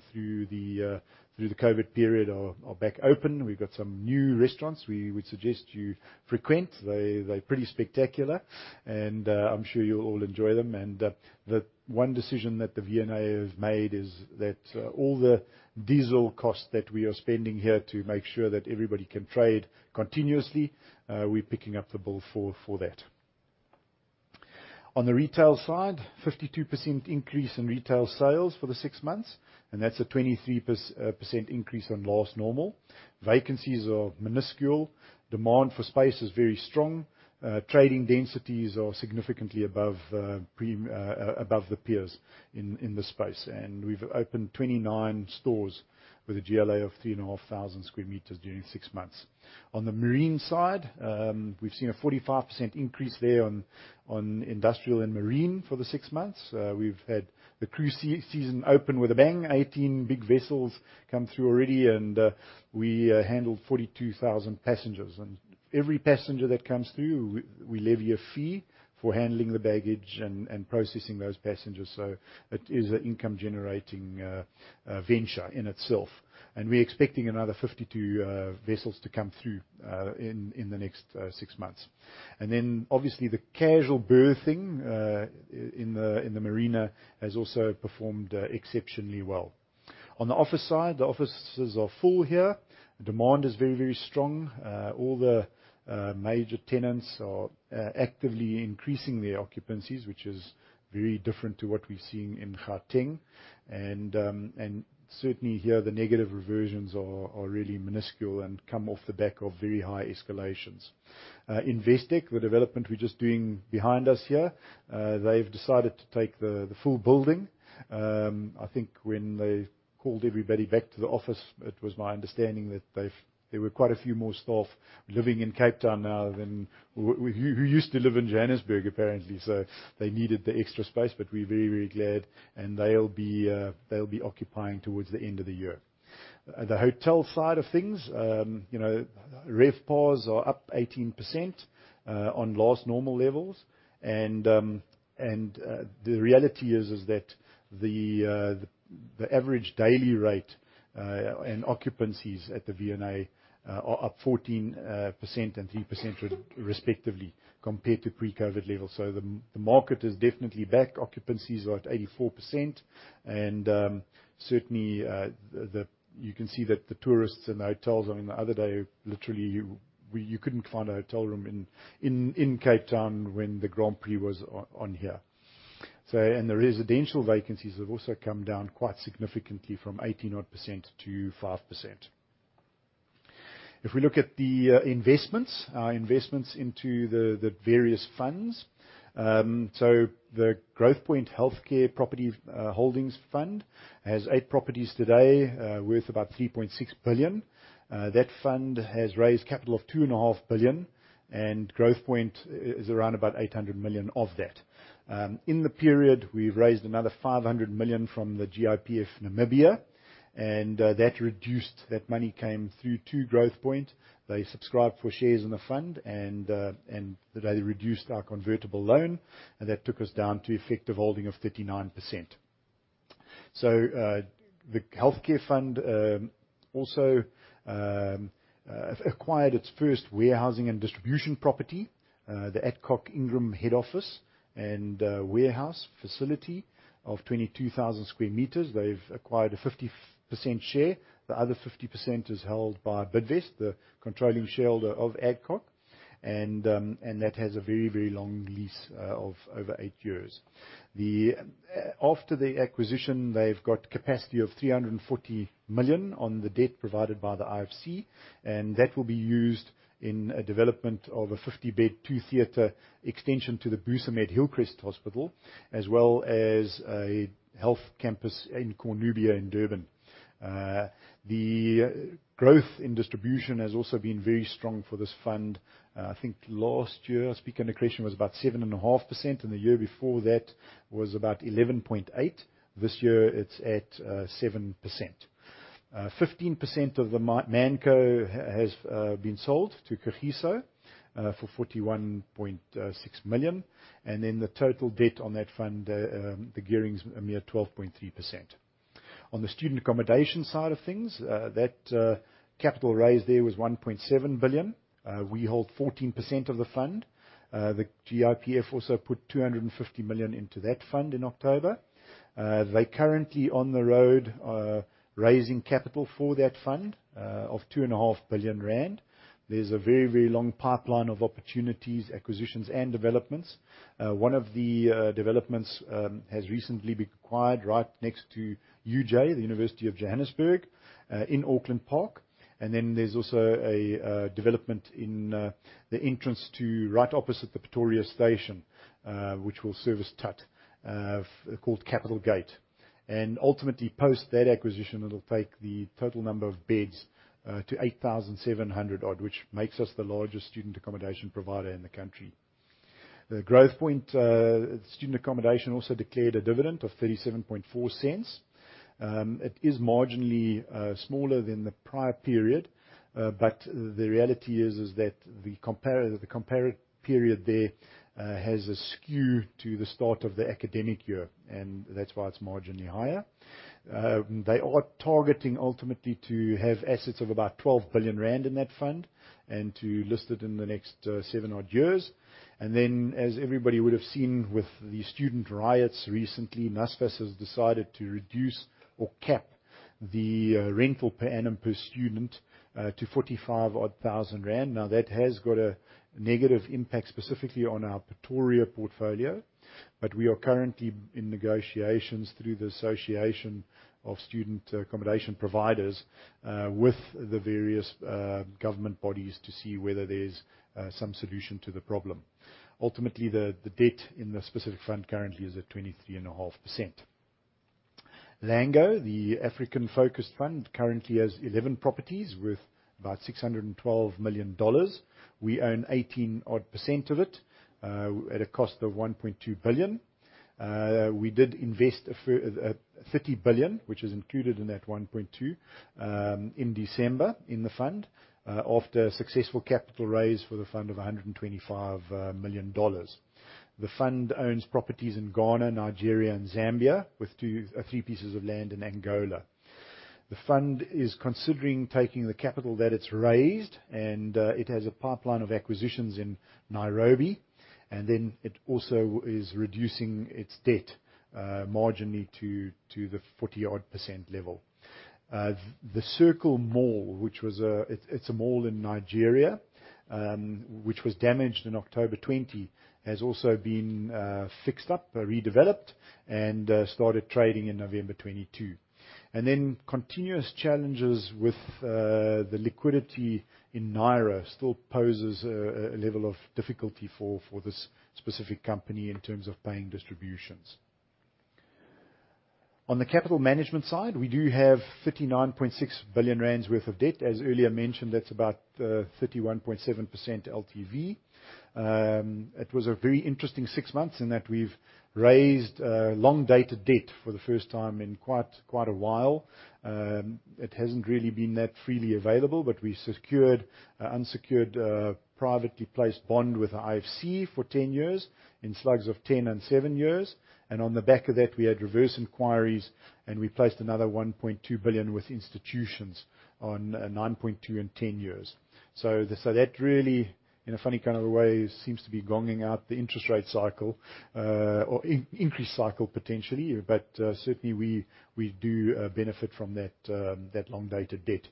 through the COVID period are back open. We've got some new restaurants we would suggest you frequent. They pretty spectacular, and I'm sure you'll all enjoy them. The one decision that the V&A have made is that all the diesel costs that we are spending here to make sure that everybody can trade continuously, we're picking up the bill for that. On the retail side, 52% increase in retail sales for the six months, that's a 23% increase on last normal. Vacancies are minuscule. Demand for space is very strong. Trading densities are significantly above the peers in this space. We've opened 29 stores with a GLA of 3,500 square meters during six months. On the marine side, we've seen a 45% increase there on industrial and marine for the six months. We've had the cruise season open with a bang. 18 big vessels come through already, we handled 42,000 passengers. Every passenger that comes through, we levy a fee for handling the baggage and processing those passengers. It is an income generating venture in itself. We're expecting another 52 vessels to come through in the next six months. Then obviously the casual berthing in the marina has also performed exceptionally well. On the office side, the offices are full here. Demand is very, very strong. All the major tenants are actively increasing their occupancies, which is very different to what we're seeing in Gauteng. Certainly here, the negative reversions are really minuscule and come off the back of very high escalations. Investec, the development we're just doing behind us here, they've decided to take the full building. I think when they called everybody back to the office, it was my understanding that there were quite a few more staff living in Cape Town now than who used to live in Johannesburg, apparently. They needed the extra space, but we're very, very glad, and they'll be occupying towards the end of the year. The hotel side of things, you know, RevPARs are up 18% on last normal levels. The reality is that the average daily rate and occupancies at the V&A are up 14% and 3% respectively compared to pre-COVID levels. The market is definitely back. Occupancies are at 84%. Certainly, you can see that the tourists and the hotels, I mean, the other day, literally you couldn't find a hotel room in Cape Town when the Grand Prix was on here. The residential vacancies have also come down quite significantly from 18 odd % to 5%. If we look at the investments into the various funds. The Growthpoint Healthcare Property Holdings Fund has eight properties today, worth about 3.6 billion. That fund has raised capital of 2.5 billion, and Growthpoint is around about 800 million of that. In the period, we've raised another 500 million from the GIPF Namibia, and that money came through two Growthpoint. They subscribed for shares in the fund and they reduced our convertible loan, and that took us down to effective holding of 39%. The Healthcare Fund also acquired its first warehousing and distribution property, the Adcock Ingram head office and a warehouse facility of 22,000 square meters. They've acquired a 50% share. The other 50% is held by Bidvest, the controlling shareholder of Adcock. That has a very, very long lease of over eight years. After the acquisition, they've got capacity of 340 million on the debt provided by the IFC, and that will be used in a development of a 50-bed, 2-theater extension to the Busamed Hillcrest Hospital, as well as a health campus in Cornubia in Durban. The growth in distribution has also been very strong for this fund. I think last year, Spica was about 7.5%, and the year before that was about 11.8%. This year, it's at 7%. 15% of the Manco has been sold to Kagiso for 41.6 million. The total debt on that fund, the gearing's a mere 12.3%. On the student accommodation side of things, that capital raise there was 1.7 billion. We hold 14% of the fund. The GIPF also put 250 million into that fund in October. They're currently on the road, raising capital for that fund of 2.5 billion rand. There's a very, very long pipeline of opportunities, acquisitions and developments. One of the developments has recently been acquired right next to UJ, the University of Johannesburg, in Auckland Park. There's also a development in the entrance to right opposite the Pretoria station, which will service TUT, called Capital Gate. Ultimately, post that acquisition, it'll take the total number of beds to 8,700 odd, which makes us the largest student accommodation provider in the country. The Growthpoint student accommodation also declared a dividend of 0.374. It is marginally smaller than the prior period. The reality is that the compare period there has a skew to the start of the academic year, and that's why it's marginally higher. They are targeting ultimately to have assets of about 12 billion rand in that fund and to list it in the next 7 odd years. As everybody would have seen with the student riots recently, NSFAS has decided to reduce or cap the rental per annum per student to 45,000 odd. That has got a negative impact specifically on our Pretoria portfolio. We are currently in negotiations through the Association of Student Accommodation Providers with the various government bodies to see whether there's some solution to the problem. Ultimately, the debt in the specific fund currently is at 23.5%. Lango, the African Focused Fund, currently has 11 properties worth about $612 million. We own 18 odd % of it at a cost of 1.2 billion. We did invest 30 billion, which is included in that 1.2 in December in the fund, after a successful capital raise for the fund of $125 million. The fund owns properties in Ghana, Nigeria and Zambia, with three pieces of land in Angola. The fund is considering taking the capital that it's raised. It has a pipeline of acquisitions in Nairobi. It also is reducing its debt marginally to the 40 odd percent level. The Circle Mall, which was a mall in Nigeria, which was damaged in October 2020, has also been fixed up, redeveloped, and started trading in November 2022. Continuous challenges with the liquidity in Naira still poses a level of difficulty for this specific company in terms of paying distributions. On the capital management side, we do have 39.6 billion rand worth of debt. As earlier mentioned, that's about 31.7% LTV. It was a very interesting six months in that we've raised long-dated debt for the first time in quite a while. It hasn't really been that freely available, but we secured unsecured privately placed bond with IFC for 10 years in slugs of 10 years and seven years. On the back of that, we had reverse inquiries, and we placed another 1.2 billion with institutions on 9.2 years and 10 years. That really, in a funny kind of a way, seems to be gonging out the interest rate cycle, or increase cycle, potentially. Certainly we do benefit from that long-dated debt.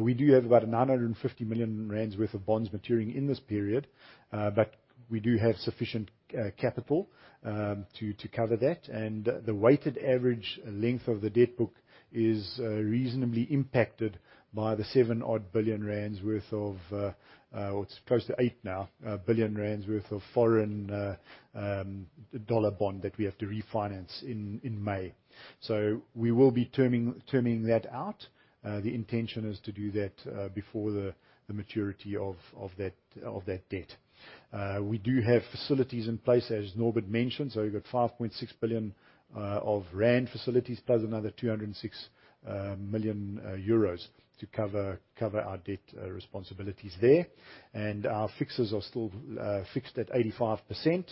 We do have about 950 million rand worth of bonds maturing in this period, but we do have sufficient capital to cover that. The weighted average length of the debt book is reasonably impacted by the 7 odd billion worth of, it's close to 8 billion rand now, worth of foreign dollar bond that we have to refinance in May. We will be terming that out. The intention is to do that before the maturity of that debt. We do have facilities in place, as Norbert mentioned, you've got 5.6 billion rand facilities, plus another 206 million euros to cover our debt responsibilities there. Our fixes are still fixed at 85%.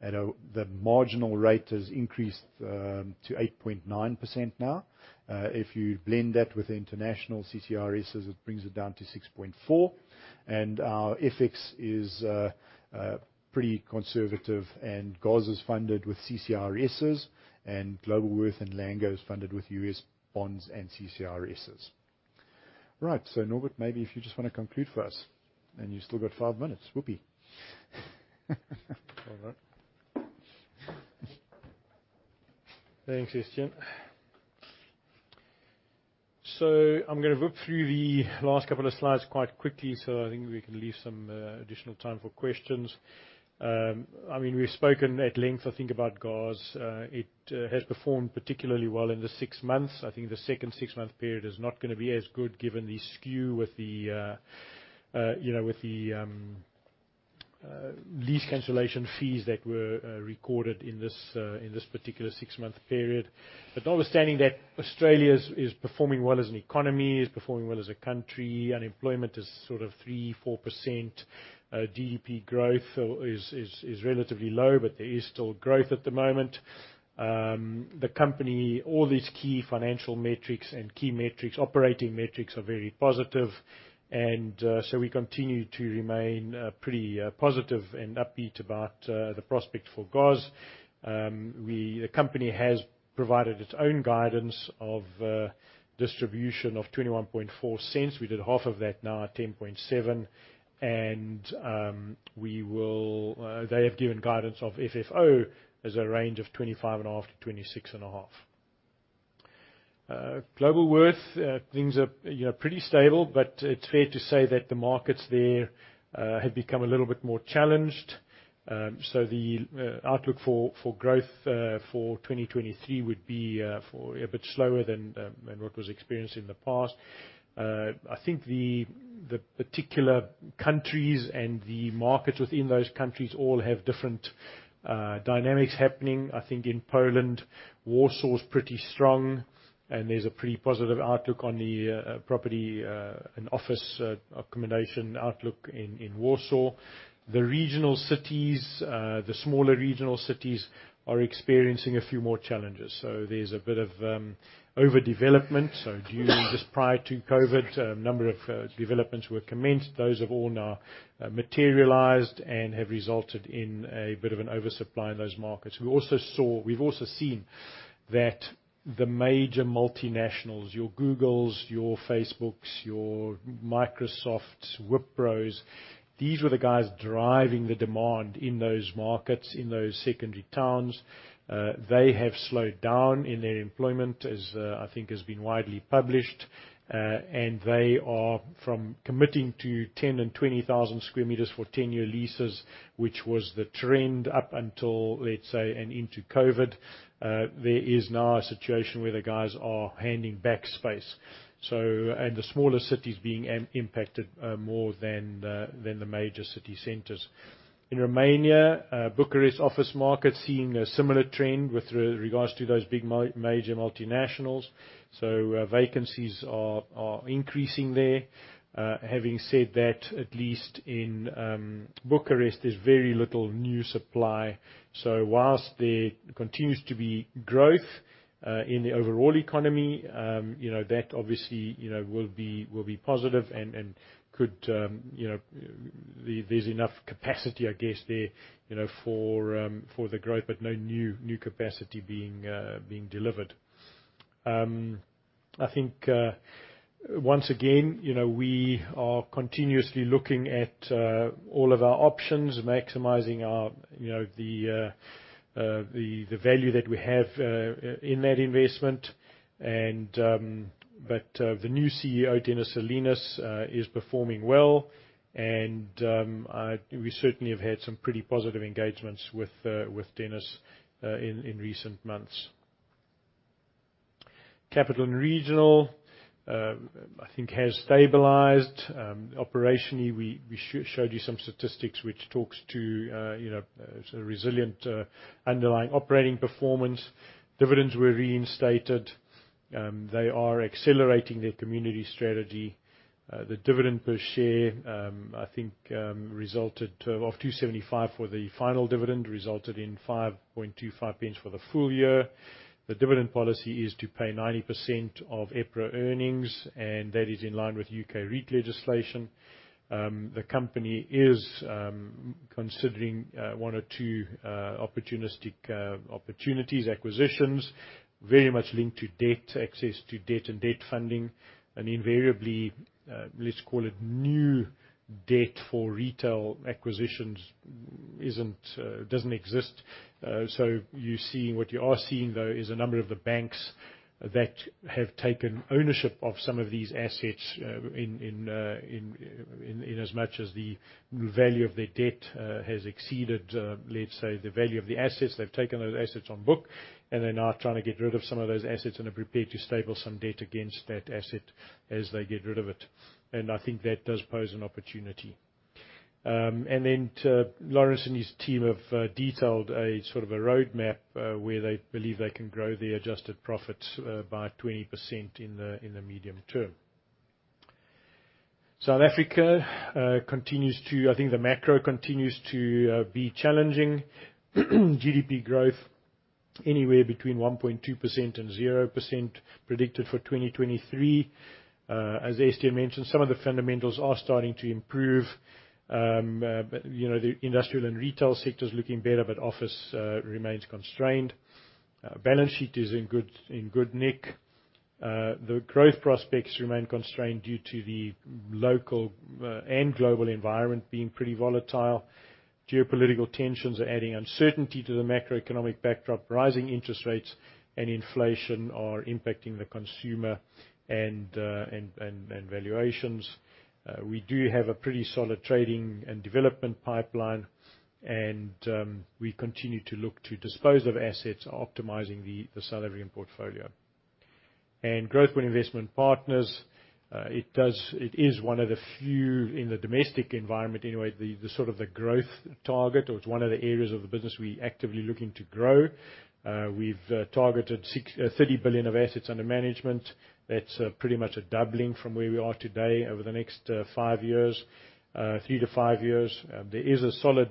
The marginal rate has increased to 8.9% now. If you blend that with international CCRS, it brings it down to 6.4%. Our FX is pretty conservative, GOZ is funded with CCRS, Globalworth and Lango is funded with U.S. bonds and CCRSs. Right. Norbert, maybe if you just wanna conclude for us, you still got five minutes. Whoopi. All right. Thanks, Estienne. I'm gonna whip through the last couple of slides quite quickly, so I think we can leave some additional time for questions. I mean, we've spoken at length, I think, about GOZ. It has performed particularly well in the six months. I think the second six-month period is not gonna be as good given the skew with the, you know, with the lease cancellation fees that were recorded in this particular six-month period. Notwithstanding that, Australia's is performing well as an economy, is performing well as a country. Unemployment is sort of 3%-4%. GDP growth is relatively low, but there is still growth at the moment. The company, all its key financial metrics and key metrics, operating metrics are very positive. We continue to remain pretty positive and upbeat about the prospect for GOZ. The company has provided its own guidance of distribution of 0.214. We did half of that now at AUD 0.107. They have given guidance of FFO as a range of 0.255-0.265. Globalworth, things are, you know, pretty stable, but it's fair to say that the markets there have become a little bit more challenged. The outlook for growth for 2023 would be for a bit slower than what was experienced in the past. I think the particular countries and the markets within those countries all have different dynamics happening. I think in Poland, Warsaw is pretty strong and there's a pretty positive outlook on the property and office accommodation outlook in Warsaw. The regional cities, the smaller regional cities are experiencing a few more challenges. There's a bit of overdevelopment. During just prior to COVID, a number of developments were commenced. Those have all now materialized and have resulted in a bit of an oversupply in those markets. We've also seen that the major multinationals, your Googles, your Facebooks, your Microsofts, Wipros, these were the guys driving the demand in those markets, in those secondary towns. They have slowed down in their employment, as I think has been widely published. They are from committing to 10,000 and 20,000 square meters for 10-year leases, which was the trend up until, let's say, and into COVID. There is now a situation where the guys are handing back space. The smaller cities being impacted more than the major city centers. In Romania, Bucharest office market seeing a similar trend with regards to those big major multinationals. Vacancies are increasing there. Having said that, at least in Bucharest, there's very little new supply. Whilst there continues to be growth in the overall economy, you know, that obviously, you know, will be positive and could. There's enough capacity, I guess, there, you know, for the growth, but no new capacity being delivered. I think, once again, you know, we are continuously looking at all of our options, maximizing our, you know, the value that we have in that investment. The new CEO, Dennis Selinas, is performing well. We certainly have had some pretty positive engagements with Dennis Selinas in recent months. Capital & Regional, I think has stabilized. Operationally, we showed you some statistics which talks to, you know, sort of resilient underlying operating performance. Dividends were reinstated. They are accelerating their community strategy. The dividend per share, I think, resulted of 0.0275 for the final dividend, resulted in 0.0525 for the full year. The dividend policy is to pay 90% of EPRA earnings. That is in line with U.K. REIT legislation. The company is considering one or two opportunistic opportunities, acquisitions, very much linked to debt, access to debt and debt funding. Invariably, let's call it new debt for retail acquisitions isn't, doesn't exist. What you are seeing, though, is a number of the banks that have taken ownership of some of these assets, in as much as the value of their debt has exceeded, let's say, the value of the assets. They've taken those assets on book, and they're now trying to get rid of some of those assets and are prepared to staple some debt against that asset as they get rid of it. I think that does pose an opportunity. Lawrence and his team have detailed a sort of a roadmap where they believe they can grow their adjusted profits by 20% in the, in the medium term. South Africa continues to... I think the macro continues to be challenging. GDP growth anywhere between 1.2%-0% predicted for 2023. As Estienne mentioned, some of the fundamentals are starting to improve. You know, the industrial and retail sector is looking better, but office remains constrained. Balance sheet is in good, in good nick. The growth prospects remain constrained due to the local and global environment being pretty volatile. Geopolitical tensions are adding uncertainty to the macroeconomic backdrop. Rising interest rates and inflation are impacting the consumer and valuations. We do have a pretty solid trading and development pipeline, and we continue to look to dispose of assets, optimizing the South African portfolio. Growthpoint Investment Partners, it is one of the few in the domestic environment, anyway, the sort of the growth target, or it's one of the areas of the business we're actively looking to grow. We've targeted 6, 30 billion of assets under management. That's pretty much a doubling from where we are today over the next five years, three-five years. There is a solid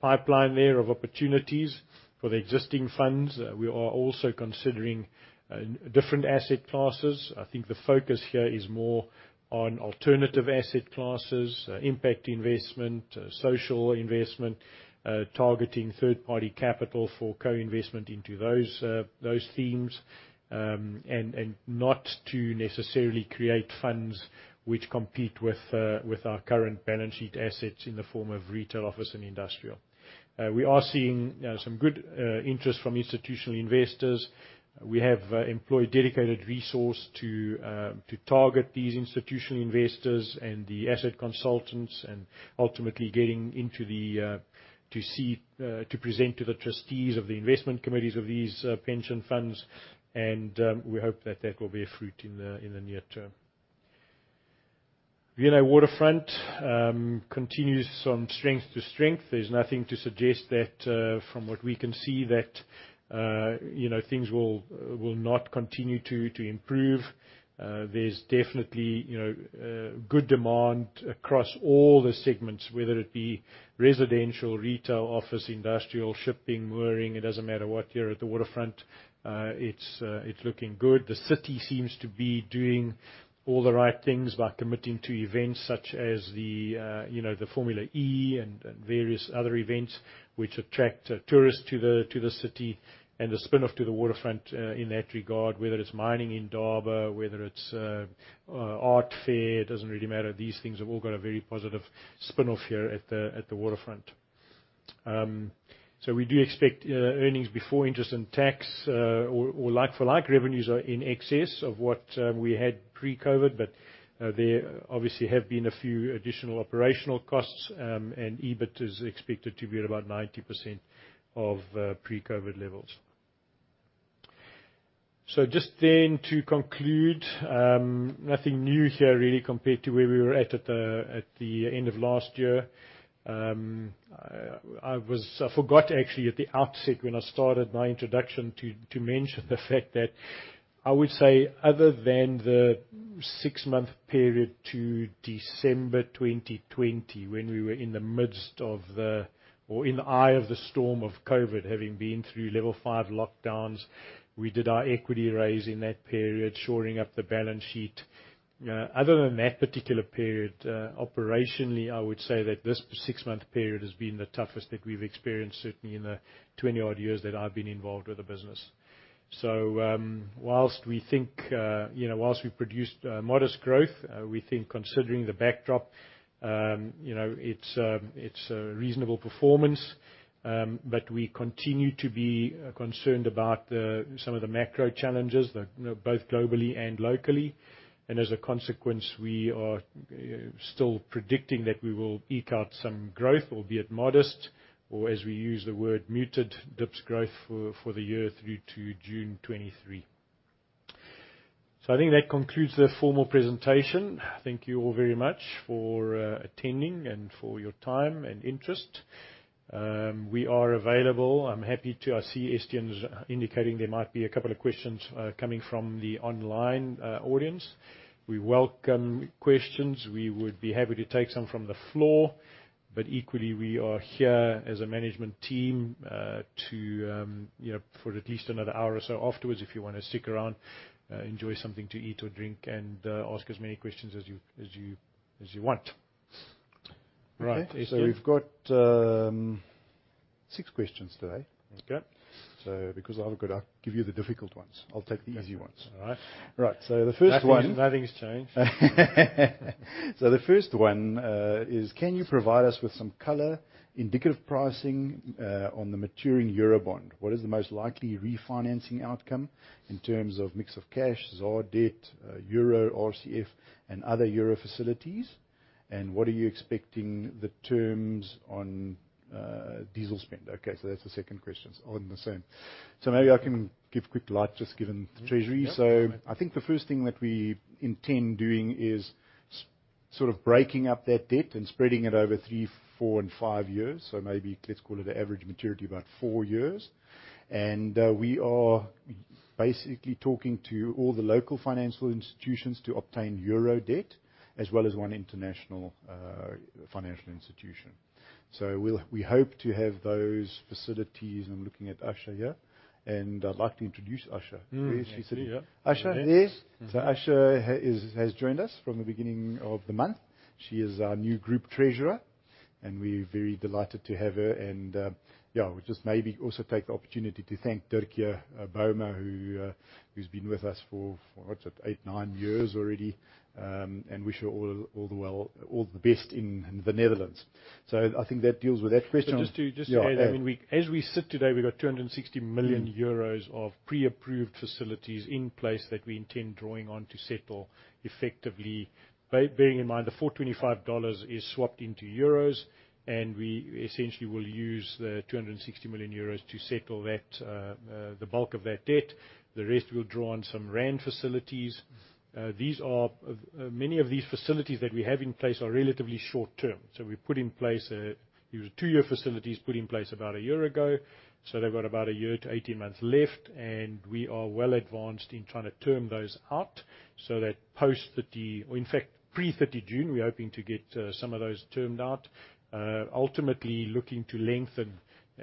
pipeline there of opportunities for the existing funds. We are also considering different asset classes. I think the focus here is more on alternative asset classes, impact investment, social investment, targeting third-party capital for co-investment into those themes, and not to necessarily create funds which compete with our current balance sheet assets in the form of retail, office, and industrial. We are seeing some good interest from institutional investors. We have employed dedicated resource to target these institutional investors and the asset consultants and ultimately getting into the to see to present to the trustees of the investment committees of these pension funds. We hope that that will bear fruit in the near term. V&A Waterfront continues from strength to strength. There's nothing to suggest that, from what we can see, that, you know, things will not continue to improve. There's definitely, you know, good demand across all the segments, whether it be residential, retail, office, industrial, shipping, mooring. It doesn't matter what here at the Waterfront, it's looking good. The city seems to be doing all the right things by committing to events such as the, you know, the Formula E and various other events which attract tourists to the city, and the spin-off to the Waterfront, in that regard, whether it's mining in Durban, whether it's Art Fair, it doesn't really matter. These things have all got a very positive spin-off here at the Waterfront. We do expect earnings before interest and tax, or like-for-like revenues are in excess of what we had pre-COVID, but there obviously have been a few additional operational costs. EBIT is expected to be at about 90% of pre-COVID levels. Just then to conclude, nothing new here really compared to where we were at the end of last year. I forgot actually at the outset when I started my introduction to mention the fact that I would say other than the six month period to December 2020, when we were in the midst of or in the eye of the storm of COVID, having been through level five lockdowns, we did our equity raise in that period, shoring up the balance sheet. Other than that particular period, operationally, I would say that this six-month period has been the toughest that we've experienced, certainly in the 20-odd years that I've been involved with the business. Whilst we think, you know, whilst we've produced modest growth, we think considering the backdrop, you know, it's a reasonable performance. We continue to be concerned about the, some of the macro challenges that, you know, both globally and locally. As a consequence, we are still predicting that we will eke out some growth, albeit modest or as we use the word muted dips growth for the year through to June 2023. I think that concludes the formal presentation. Thank you all very much for attending and for your time and interest. We are available, I'm happy to... I see Estienne's indicating there might be a couple of questions, coming from the online audience. We welcome questions. We would be happy to take some from the floor, but equally, we are here as a management team, to, you know, for at least another hour or so afterwards, if you wanna stick around, enjoy something to eat or drink and ask as many questions as you want. Right, Estienne. Okay. We've got six questions today. Okay. I'll give you the difficult ones. I'll take the easy ones. Right. the first one- All right, nothing's changed. The first one is: Can you provide us with some color indicative pricing on the maturing Euro bond? What is the most likely refinancing outcome in terms of mix of cash, ZAR debt, Euro, RCF and other Euro facilities? What are you expecting the terms on diesel spend? That's the second question. It's all in the same. Maybe I can give quick light just given the treasury. Yep. I think the first thing that we intend doing is sort of breaking up that debt and spreading it over three, four, and five years. Maybe let's call it an average maturity about four years. We are basically talking to all the local financial institutions to obtain euro debt, as well as one international financial institution. We hope to have those facilities. I'm looking at Aasha here, and I'd like to introduce Aasha. Where is she sitting? Aasha has joined us from the beginning of the month. She is our new group treasurer, and we're very delighted to have her. We just maybe also take the opportunity to thank Dirkje Bouma, who's been with us for what's it? Eight, nine years already. Wish her all the well, all the best in the Netherlands. I think that deals with that question. As we sit today, we've got 260 million euros of pre-approved facilities in place that we intend drawing on to settle effectively. Bearing in mind, the $425 is swapped into euros, we essentially will use the 260 million euros to settle the bulk of that debt. The rest will draw on some ZAR facilities. Many of these facilities that we have in place are relatively short term. We put in place two year facilities put in place about a year ago, so they've got about a year to 18 months left, we are well advanced in trying to term those out so that pre-30 June, we're hoping to get some of those termed out. Ultimately looking to lengthen.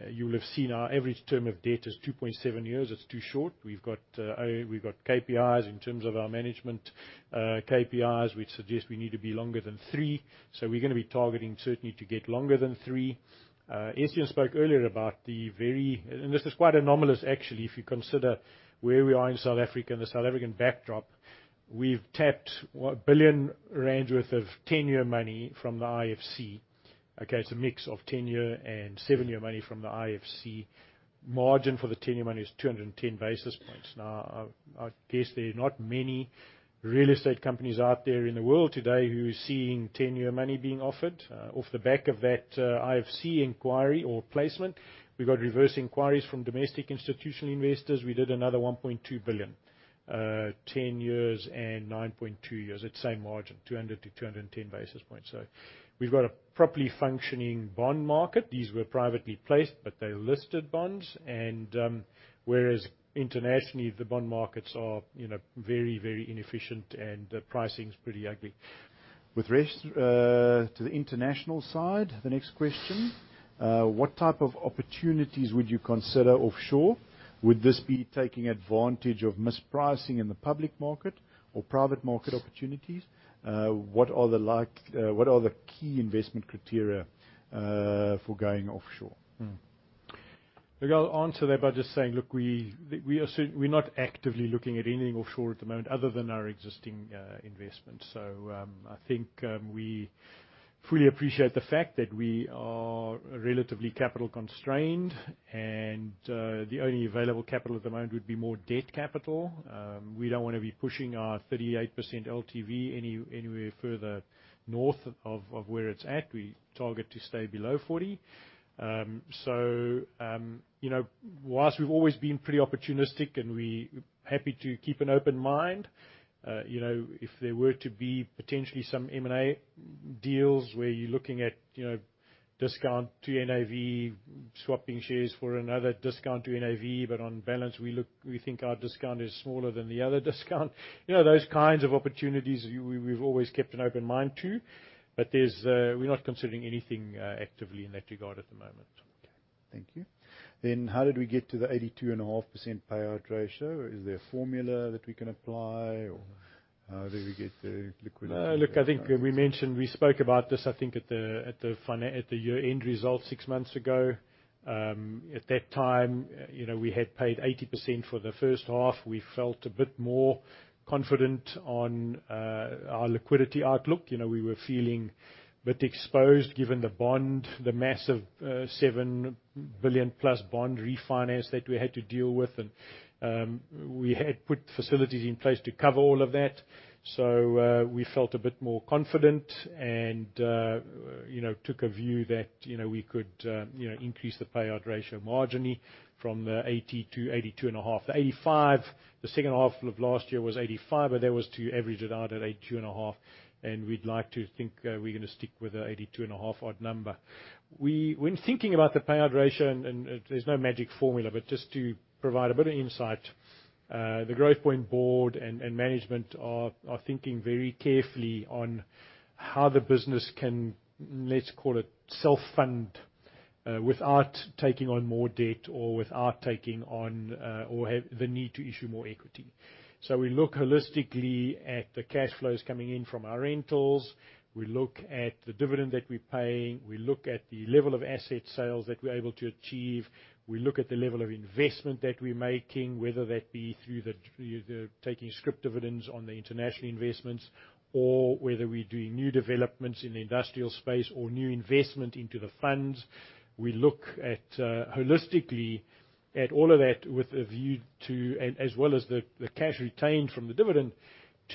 You'll have seen our average term of debt is 2.7 years. It's too short. We've got KPIs in terms of our management KPIs, which suggest we need to be longer than three. We're gonna be targeting certainly to get longer than three. Estienne spoke earlier about the very... This is quite anomalous actually, if you consider where we are in South Africa and the South African backdrop. We've tapped, what? 1 billion worth of 10-year money from the IFC. Okay, it's a mix of 10-year and seven year money from the IFC. Margin for the 10-year money is 210 basis points. I guess there are not many real estate companies out there in the world today who are seeing 10-year money being offered. Off the back of that, IFC inquiry or placement, we've got reverse inquiries from domestic institutional investors. We did another 1.2 billion. 10 years and 9.2 years at the same margin, 200 basis points-210 basis points. We've got a properly functioning bond market. These were privately placed, but they're listed bonds. Whereas internationally, the bond markets are, you know, very, very inefficient and the pricing's pretty ugly. With rest to the international side, the next question. What type of opportunities would you consider offshore? Would this be taking advantage of mispricing in the public market or private market opportunities? What are the key investment criteria for going offshore? I'll answer that by just saying, we're not actively looking at anything offshore at the moment other than our existing investment. I think we fully appreciate the fact that we are relatively capital constrained and the only available capital at the moment would be more debt capital. We don't wanna be pushing our 38% LTV anywhere further north of where it's at. We target to stay below 40%. You know, whilst we've always been pretty opportunistic and we're happy to keep an open mind, you know, if there were to be potentially some M&A deals where you're looking at, you know, discount to NAV, swapping shares for another discount to NAV, on balance, we think our discount is smaller than the other discount. You know, those kinds of opportunities we've always kept an open mind to, but there's, we're not considering anything actively in that regard at the moment. Okay. Thank you. How did we get to the 82.5% payout ratio? Is there a formula that we can apply? How did we get the liquidity? No, look, I think we spoke about this, I think, at the year-end results six months ago. At that time, you know, we had paid 80% for the first half. We felt a bit more confident on our liquidity outlook. You know, we were feeling a bit exposed given the bond, the massive, 7 billion-plus bond refinance that we had to deal with. We had put facilities in place to cover all of that. We felt a bit more confident and, you know, took a view that, you know, we could, you know, increase the payout ratio marginally from the 80% to 82.5%. The 85%, the second half of last year was 85%, but that was to average it out at 82.5%. We'd like to think we're gonna stick with the 82.5 odd number. We, when thinking about the payout ratio, and there's no magic formula, but just to provide a bit of insight, the Growthpoint board and management are thinking very carefully on how the business can, let's call it, self-fund without taking on more debt or without taking on, or have the need to issue more equity. We look holistically at the cash flows coming in from our rentals. We look at the dividend that we're paying. We look at the level of asset sales that we're able to achieve. We look at the level of investment that we're making, whether that be through the, through the taking scrip dividends on the international investments or whether we're doing new developments in the industrial space or new investment into the funds. We look at holistically at all of that with a view to, as well as the cash retained from the dividend,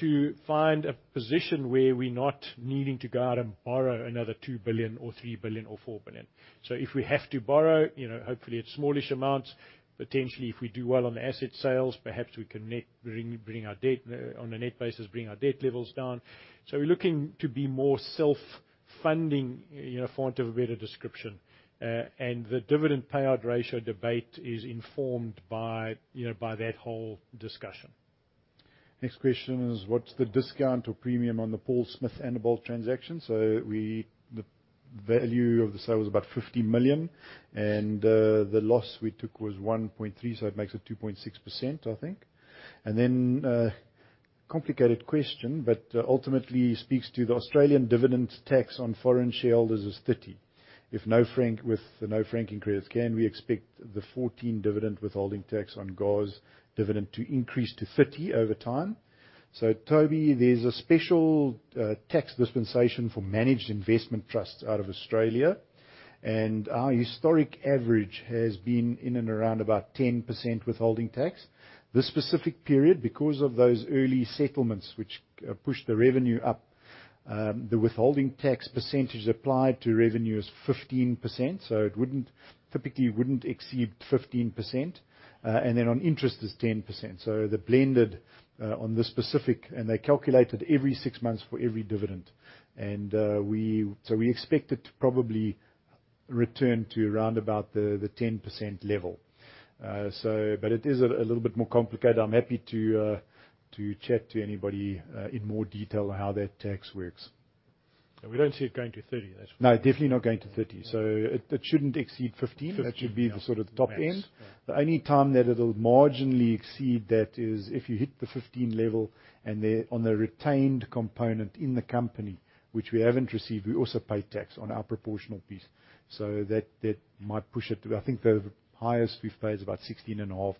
to find a position where we're not needing to go out and borrow another 2 billion or 3 billion or 4 billion. If we have to borrow, you know, hopefully it's smallish amounts. Potentially, if we do well on asset sales, perhaps we can net, bring our debt, on a net basis, bring our debt levels down. We're looking to be more self-funding, you know, for want of a better description. The dividend payout ratio debate is informed by, you know, by that whole discussion. Next question is, what's the discount or premium on the Paul Smith and the Bultfontein transaction? The value of the sale was about 50 million, and the loss we took was 1.3 million, so it makes it 2.6%, I think. Complicated question, but ultimately speaks to the Australian dividend tax on foreign shareholders is 30%. If no franking, with no franking credits, can we expect the 14% dividend withholding tax on GOZ dividend to increase to 50% over time? Toby, there's a special tax dispensation for Managed Investment Trusts out of Australia, and our historic average has been in and around about 10% withholding tax. This specific period, because of those early settlements, which pushed the revenue up, the withholding tax percentage applied to revenue is 15%, so it wouldn't typically exceed 15%. Then on interest is 10%. The blended on this specific, and they calculate it every six months for every dividend. We expect it to probably return to around about the 10% level. It is a little bit more complicated. I'm happy to chat to anybody in more detail on how that tax works. We don't see it going to 30%, that's for sure. No, definitely not going to 30%. It, it shouldn't exceed 15%. 15%, yeah. That should be the sort of top end. Max, yeah. The only time that it'll marginally exceed that is if you hit the 15% level and they're on the retained component in the company, which we haven't received. We also pay tax on our proportional piece. That might push it to, I think, the highest we've paid is about 16.5%.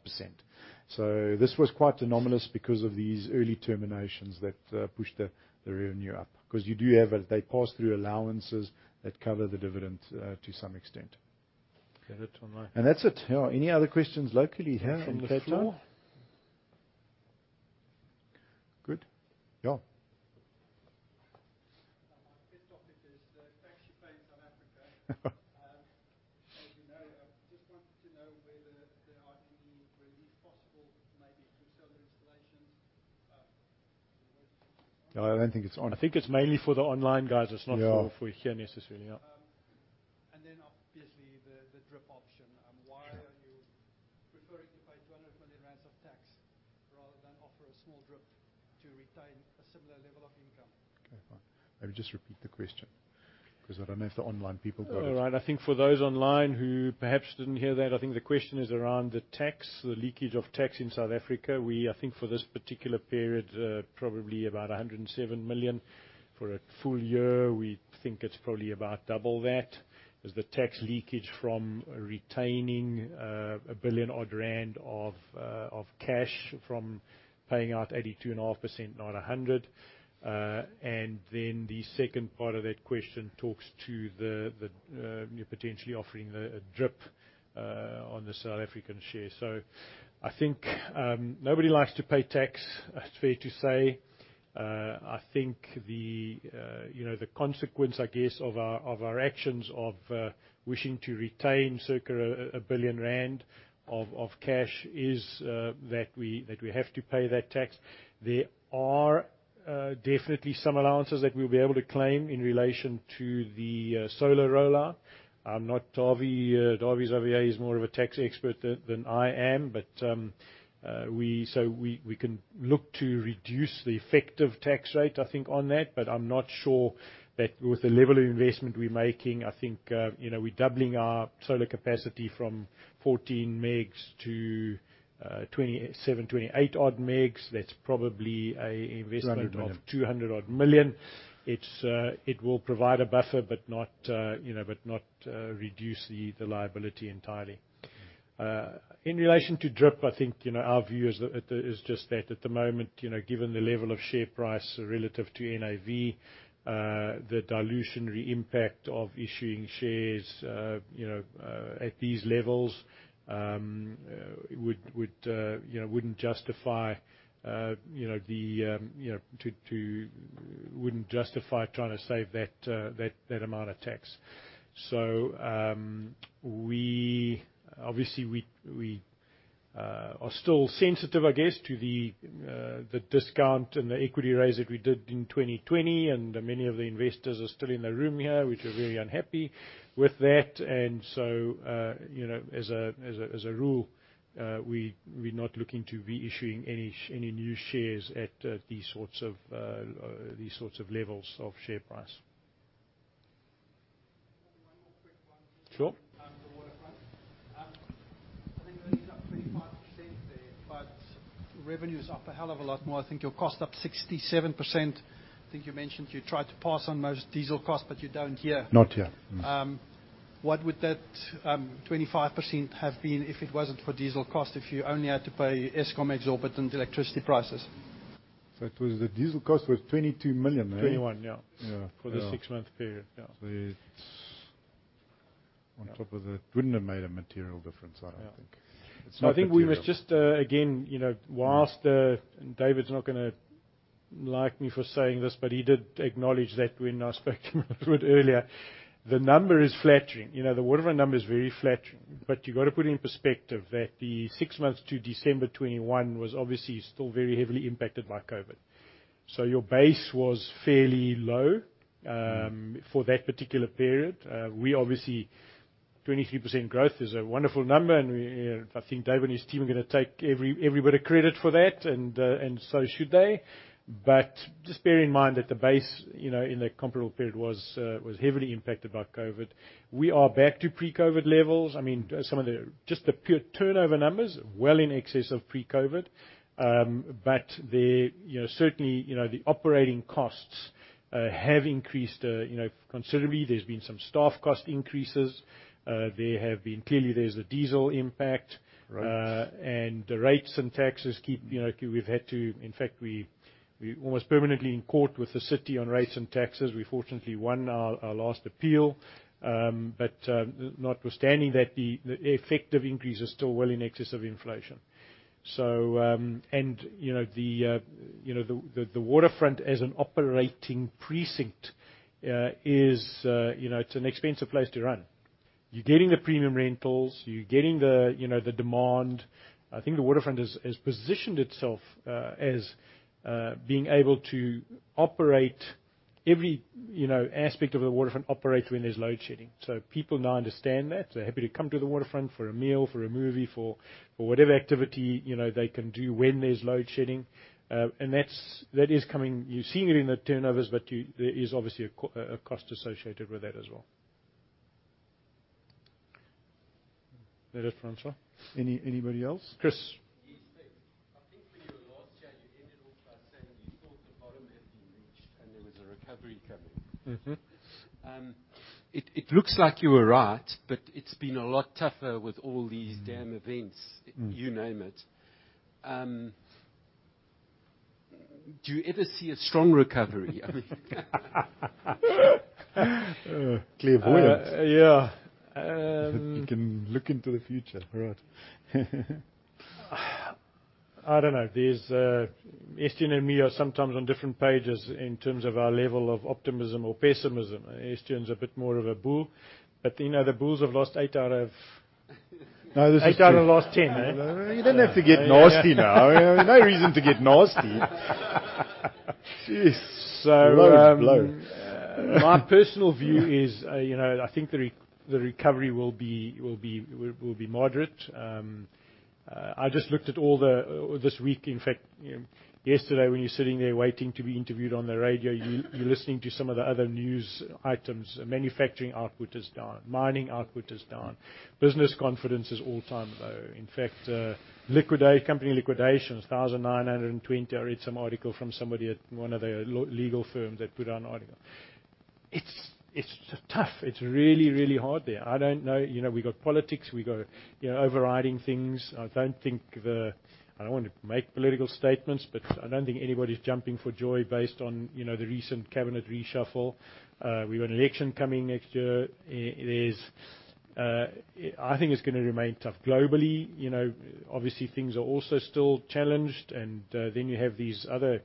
This was quite anomalous because of these early terminations that pushed the revenue up. 'Cause you do have, they pass through allowances that cover the dividend to some extent. Okay. That's online. That's it. Yeah. Any other questions locally here on the floor? That's it. Good. Yeah. Just wanted to know whether there are any relief possible, maybe through solar installations, No, I don't think it's on. I think it's mainly for the online guys. It's not for here necessarily, yeah. Obviously the DRIP option. Why are you preferring to pay 200 million rand of tax rather than offer a small DRIP to retain a similar level of income? Okay, fine. Maybe just repeat the question, 'cause I don't know if the online people got it. All right. I think for those online who perhaps didn't hear that, I think the question is around the tax, the leakage of tax in South Africa. I think for this particular period, probably about 107 million. For a full year, we think it's probably about double that. There's the tax leakage from retaining 1 billion rand odd of cash from paying out 82.5%, not 100%. The second part of that question talks to the, you potentially offering the, a DRIP on the South African share. I think, nobody likes to pay tax, it's fair to say. I think the, you know, the consequence, I guess, of our actions of wishing to retain circa 1 billion rand of cash is that we have to pay that tax. There are definitely some allowances that we'll be able to claim in relation to the solar rollout. I'm not Davy, Davy's over here, he's more of a tax expert than I am. We can look to reduce the effective tax rate, I think, on that, but I'm not sure that with the level of investment we're making, I think, you know, we're doubling our solar capacity from 14 megs to 27, 28 odd megs. That's probably a investment of 200 odd million. It's, it will provide a buffer but not, you know, but not reduce the liability entirely. In relation to DRIP, I think, you know, our view is just that at the moment, you know, given the level of share price relative to NAV, the dilutionary impact of issuing shares, you know, at these levels, would, you know, wouldn't justify, you know, the, you know, wouldn't justify trying to save that amount of tax. Obviously, we are still sensitive, I guess, to the discount and the equity raise that we did in 2020, and many of the investors are still in the room here, which are very unhappy with that. You know, as a rule, we're not looking to be issuing any new shares at these sorts of levels of share price. One more quick one. Sure. The Waterfront. I think it is up 25% there, but revenue's up a hell of a lot more. I think your cost up 67%. I think you mentioned you tried to pass on most diesel costs, but you don't here. Not yet. What would that 25% have been if it wasn't for diesel cost, if you only had to pay Eskom exorbitant electricity prices? The diesel cost was 22 million, right? 21 million, yeah. For the six-month period, yeah. On top of that, wouldn't have made a material difference, I don't think. Yeah. It's not material. I think we were just, again, you know, whilst, David's not gonna like me for saying this, but he did acknowledge that when I spoke to him about it earlier. The number is flattering. You know, the Waterfront number is very flattering, but you've got to put it in perspective that the six months to December 2021 was obviously still very heavily impacted by COVID. Your base was fairly low, for that particular period. We obviously, 23% growth is a wonderful number, I think David and his team are gonna take every bit of credit for that, so should they. Just bear in mind that the base, you know, in the comparable period was heavily impacted by COVID. We are back to pre-COVID levels. I mean, some of the... Just the pure turnover numbers, well in excess of pre-COVID. Certainly, the operating costs have increased considerably. There's been some staff cost increases. Clearly, there's a diesel impact. Rates. We're almost permanently in court with the city on rates and taxes. We fortunately won our last appeal. Notwithstanding that the effect of increase is still well in excess of inflation. The Waterfront as an operating precinct is an expensive place to run. You're getting the premium rentals, you're getting the demand. I think the Waterfront has positioned itself as being able to operate every aspect of the Waterfront operate when there's load shedding. People now understand that. They're happy to come to the Waterfront for a meal, for a movie, for whatever activity they can do when there's load shedding. That is coming. You're seeing it in the turnovers, there is obviously a cost associated with that as well. That it, Francois? Anybody else? Chris. There was a recovery coming. It looks like you were right, but it's been a lot tougher with all these damn events. You name it. Do you ever see a strong recovery? I mean Clairvoyant. Yeah. You can look into the future. Right. I don't know. There's Estienne and me are sometimes on different pages in terms of our level of optimism or pessimism. Estienne's a bit more of a bull. You know, the bulls have lost 8 out of the last 10, eh? You don't have to get nasty now. No reason to get nasty. Jeez, low blow. My personal view is, you know, I think the recovery will be moderate. I just looked at all the. This week, in fact, yesterday, when you're sitting there waiting to be interviewed on the radio, you're listening to some of the other news items. Manufacturing output is down. Mining output is down. Business confidence is all-time low. In fact, company liquidations, 1,920. I read some article from somebody at one of the legal firms that put out an article. It's tough. It's really, really hard there. I don't know. You know, we got politics, we got, you know, overriding things. I don't think the. I don't want to make political statements, but I don't think anybody's jumping for joy based on, you know, the recent cabinet reshuffle. We've got an election coming next year. It is, I think it's gonna remain tough globally. You know, obviously, things are also still challenged. Then you have these other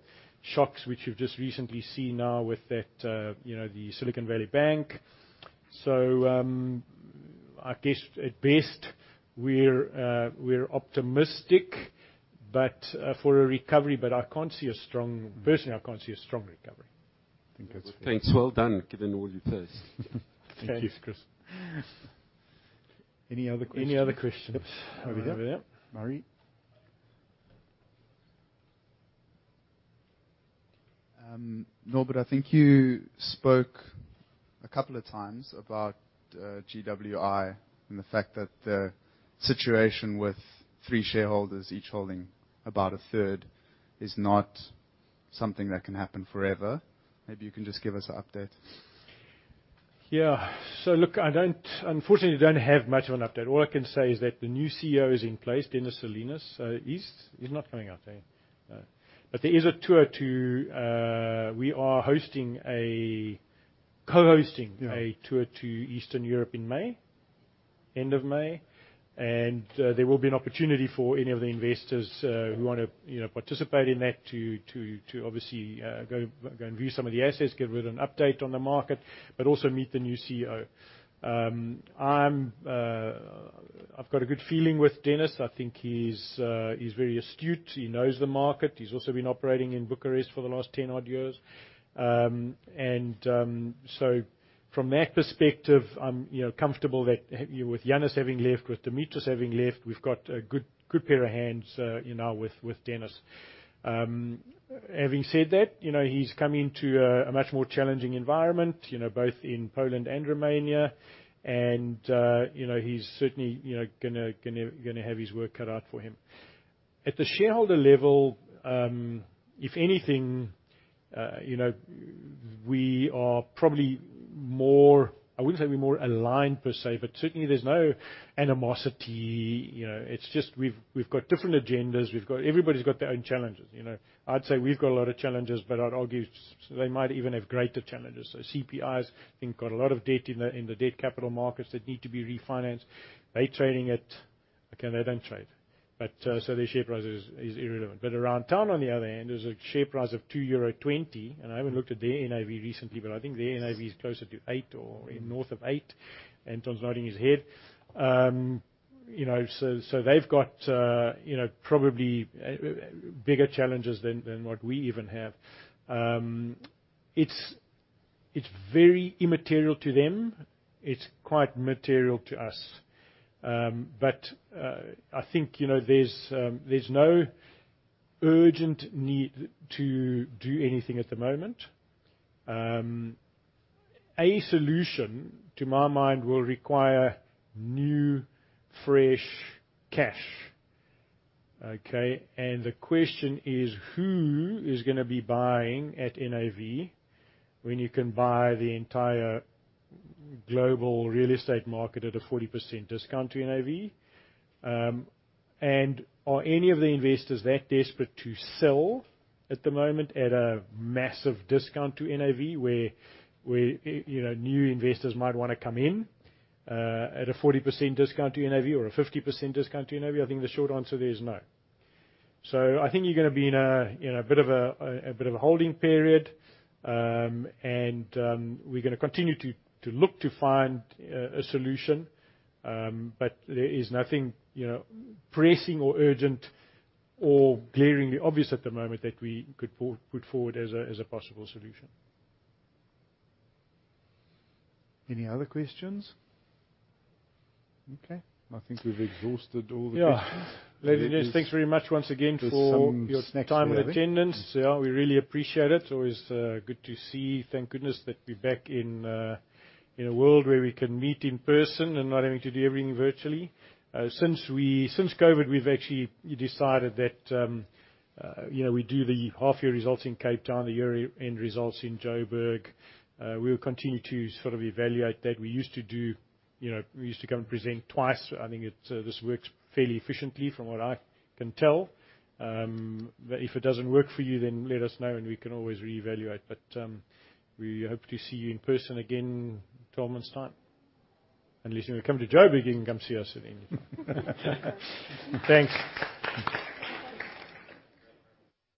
shocks, which we've just recently seen now with that, you know, the Silicon Valley Bank. I guess at best, we're optimistic, but for a recovery. Personally, I can't see a strong recovery. Thanks. Well done getting all your thoughts. Thank you. Any other questions? Any other questions? Over there. Murray? Norbert, I think you spoke a couple of times about GWI and the fact that the situation with three shareholders, each holding about a third is not something that can happen forever. Maybe you can just give us an update. Yeah. Look, I don't unfortunately don't have much of an update. All I can say is that the new CEO is in place, Dennis Selinas. He's not coming out, eh? No. There is a tour to- We are co-hosting a tour to Eastern Europe in May, end of May. There will be an opportunity for any of the investors who wanna, you know, participate in that to obviously go and view some of the assets, give an update on the market, but also meet the new CEO. I'm I've got a good feeling with Dennis. I think he's very astute. He knows the market. He's also been operating in Bucharest for the last 10-odd years. From that perspective, I'm, you know, comfortable that, with Yiannis having left, with Dimitris having left, we've got a good pair of hands, you know, with Dennis. Having said that, you know, he's coming to a much more challenging environment, you know, both in Poland and Romania. You know, he's certainly, you know, gonna have his work cut out for him. At the shareholder level, if anything, you know, we are probably more. I wouldn't say we're more aligned per se, but certainly there's no animosity. You know, it's just we've got different agendas. Everybody's got their own challenges, you know? I'd say we've got a lot of challenges, but I'd argue so they might even have greater challenges. CPI's, think, got a lot of debt in the, in the debt capital markets that need to be refinanced. They're trading at. Okay, they don't trade. So their share price is irrelevant. Aroundtown, on the other hand, there's a share price of 2.20 euro. I haven't looked at their NAV recently, but I think their NAV is closer to 8 or north of 8. Anton's nodding his head. You know, so they've got, you know, probably bigger challenges than what we even have. It's very immaterial to them. It's quite material to us. I think, you know, there's no urgent need to do anything at the moment. A solution, to my mind, will require new, fresh cash. Okay? The question is: who is gonna be buying at NAV when you can buy the entire global real estate market at a 40% discount to NAV? Are any of the investors that desperate to sell at the moment at a massive discount to NAV where, you know, new investors might wanna come in, at a 40% discount to NAV or a 50% discount to NAV? I think the short answer there is no. I think you're gonna be in a bit of a holding period. We're gonna continue to look to find a solution. There is nothing, you know, pressing or urgent or glaringly obvious at the moment that we could put forward as a possible solution. Any other questions? Okay. I think we've exhausted all the questions. Yeah. Ladies and gents, thanks very much once again for your time and attendance. Yeah, we really appreciate it. Always good to see. Thank goodness that we're back in a world where we can meet in person and not having to do everything virtually. Since COVID, we've actually decided that, you know, we do the half year results in Cape Town, the year end results in Joburg. We'll continue to sort of evaluate that. We used to do. You know, we used to come and present twice. I think it, this works fairly efficiently from what I can tell. If it doesn't work for you, then let us know, and we can always reevaluate. We hope to see you in person again 12 months time. Unless you wanna come to Joburg, you can come see us then. Thanks.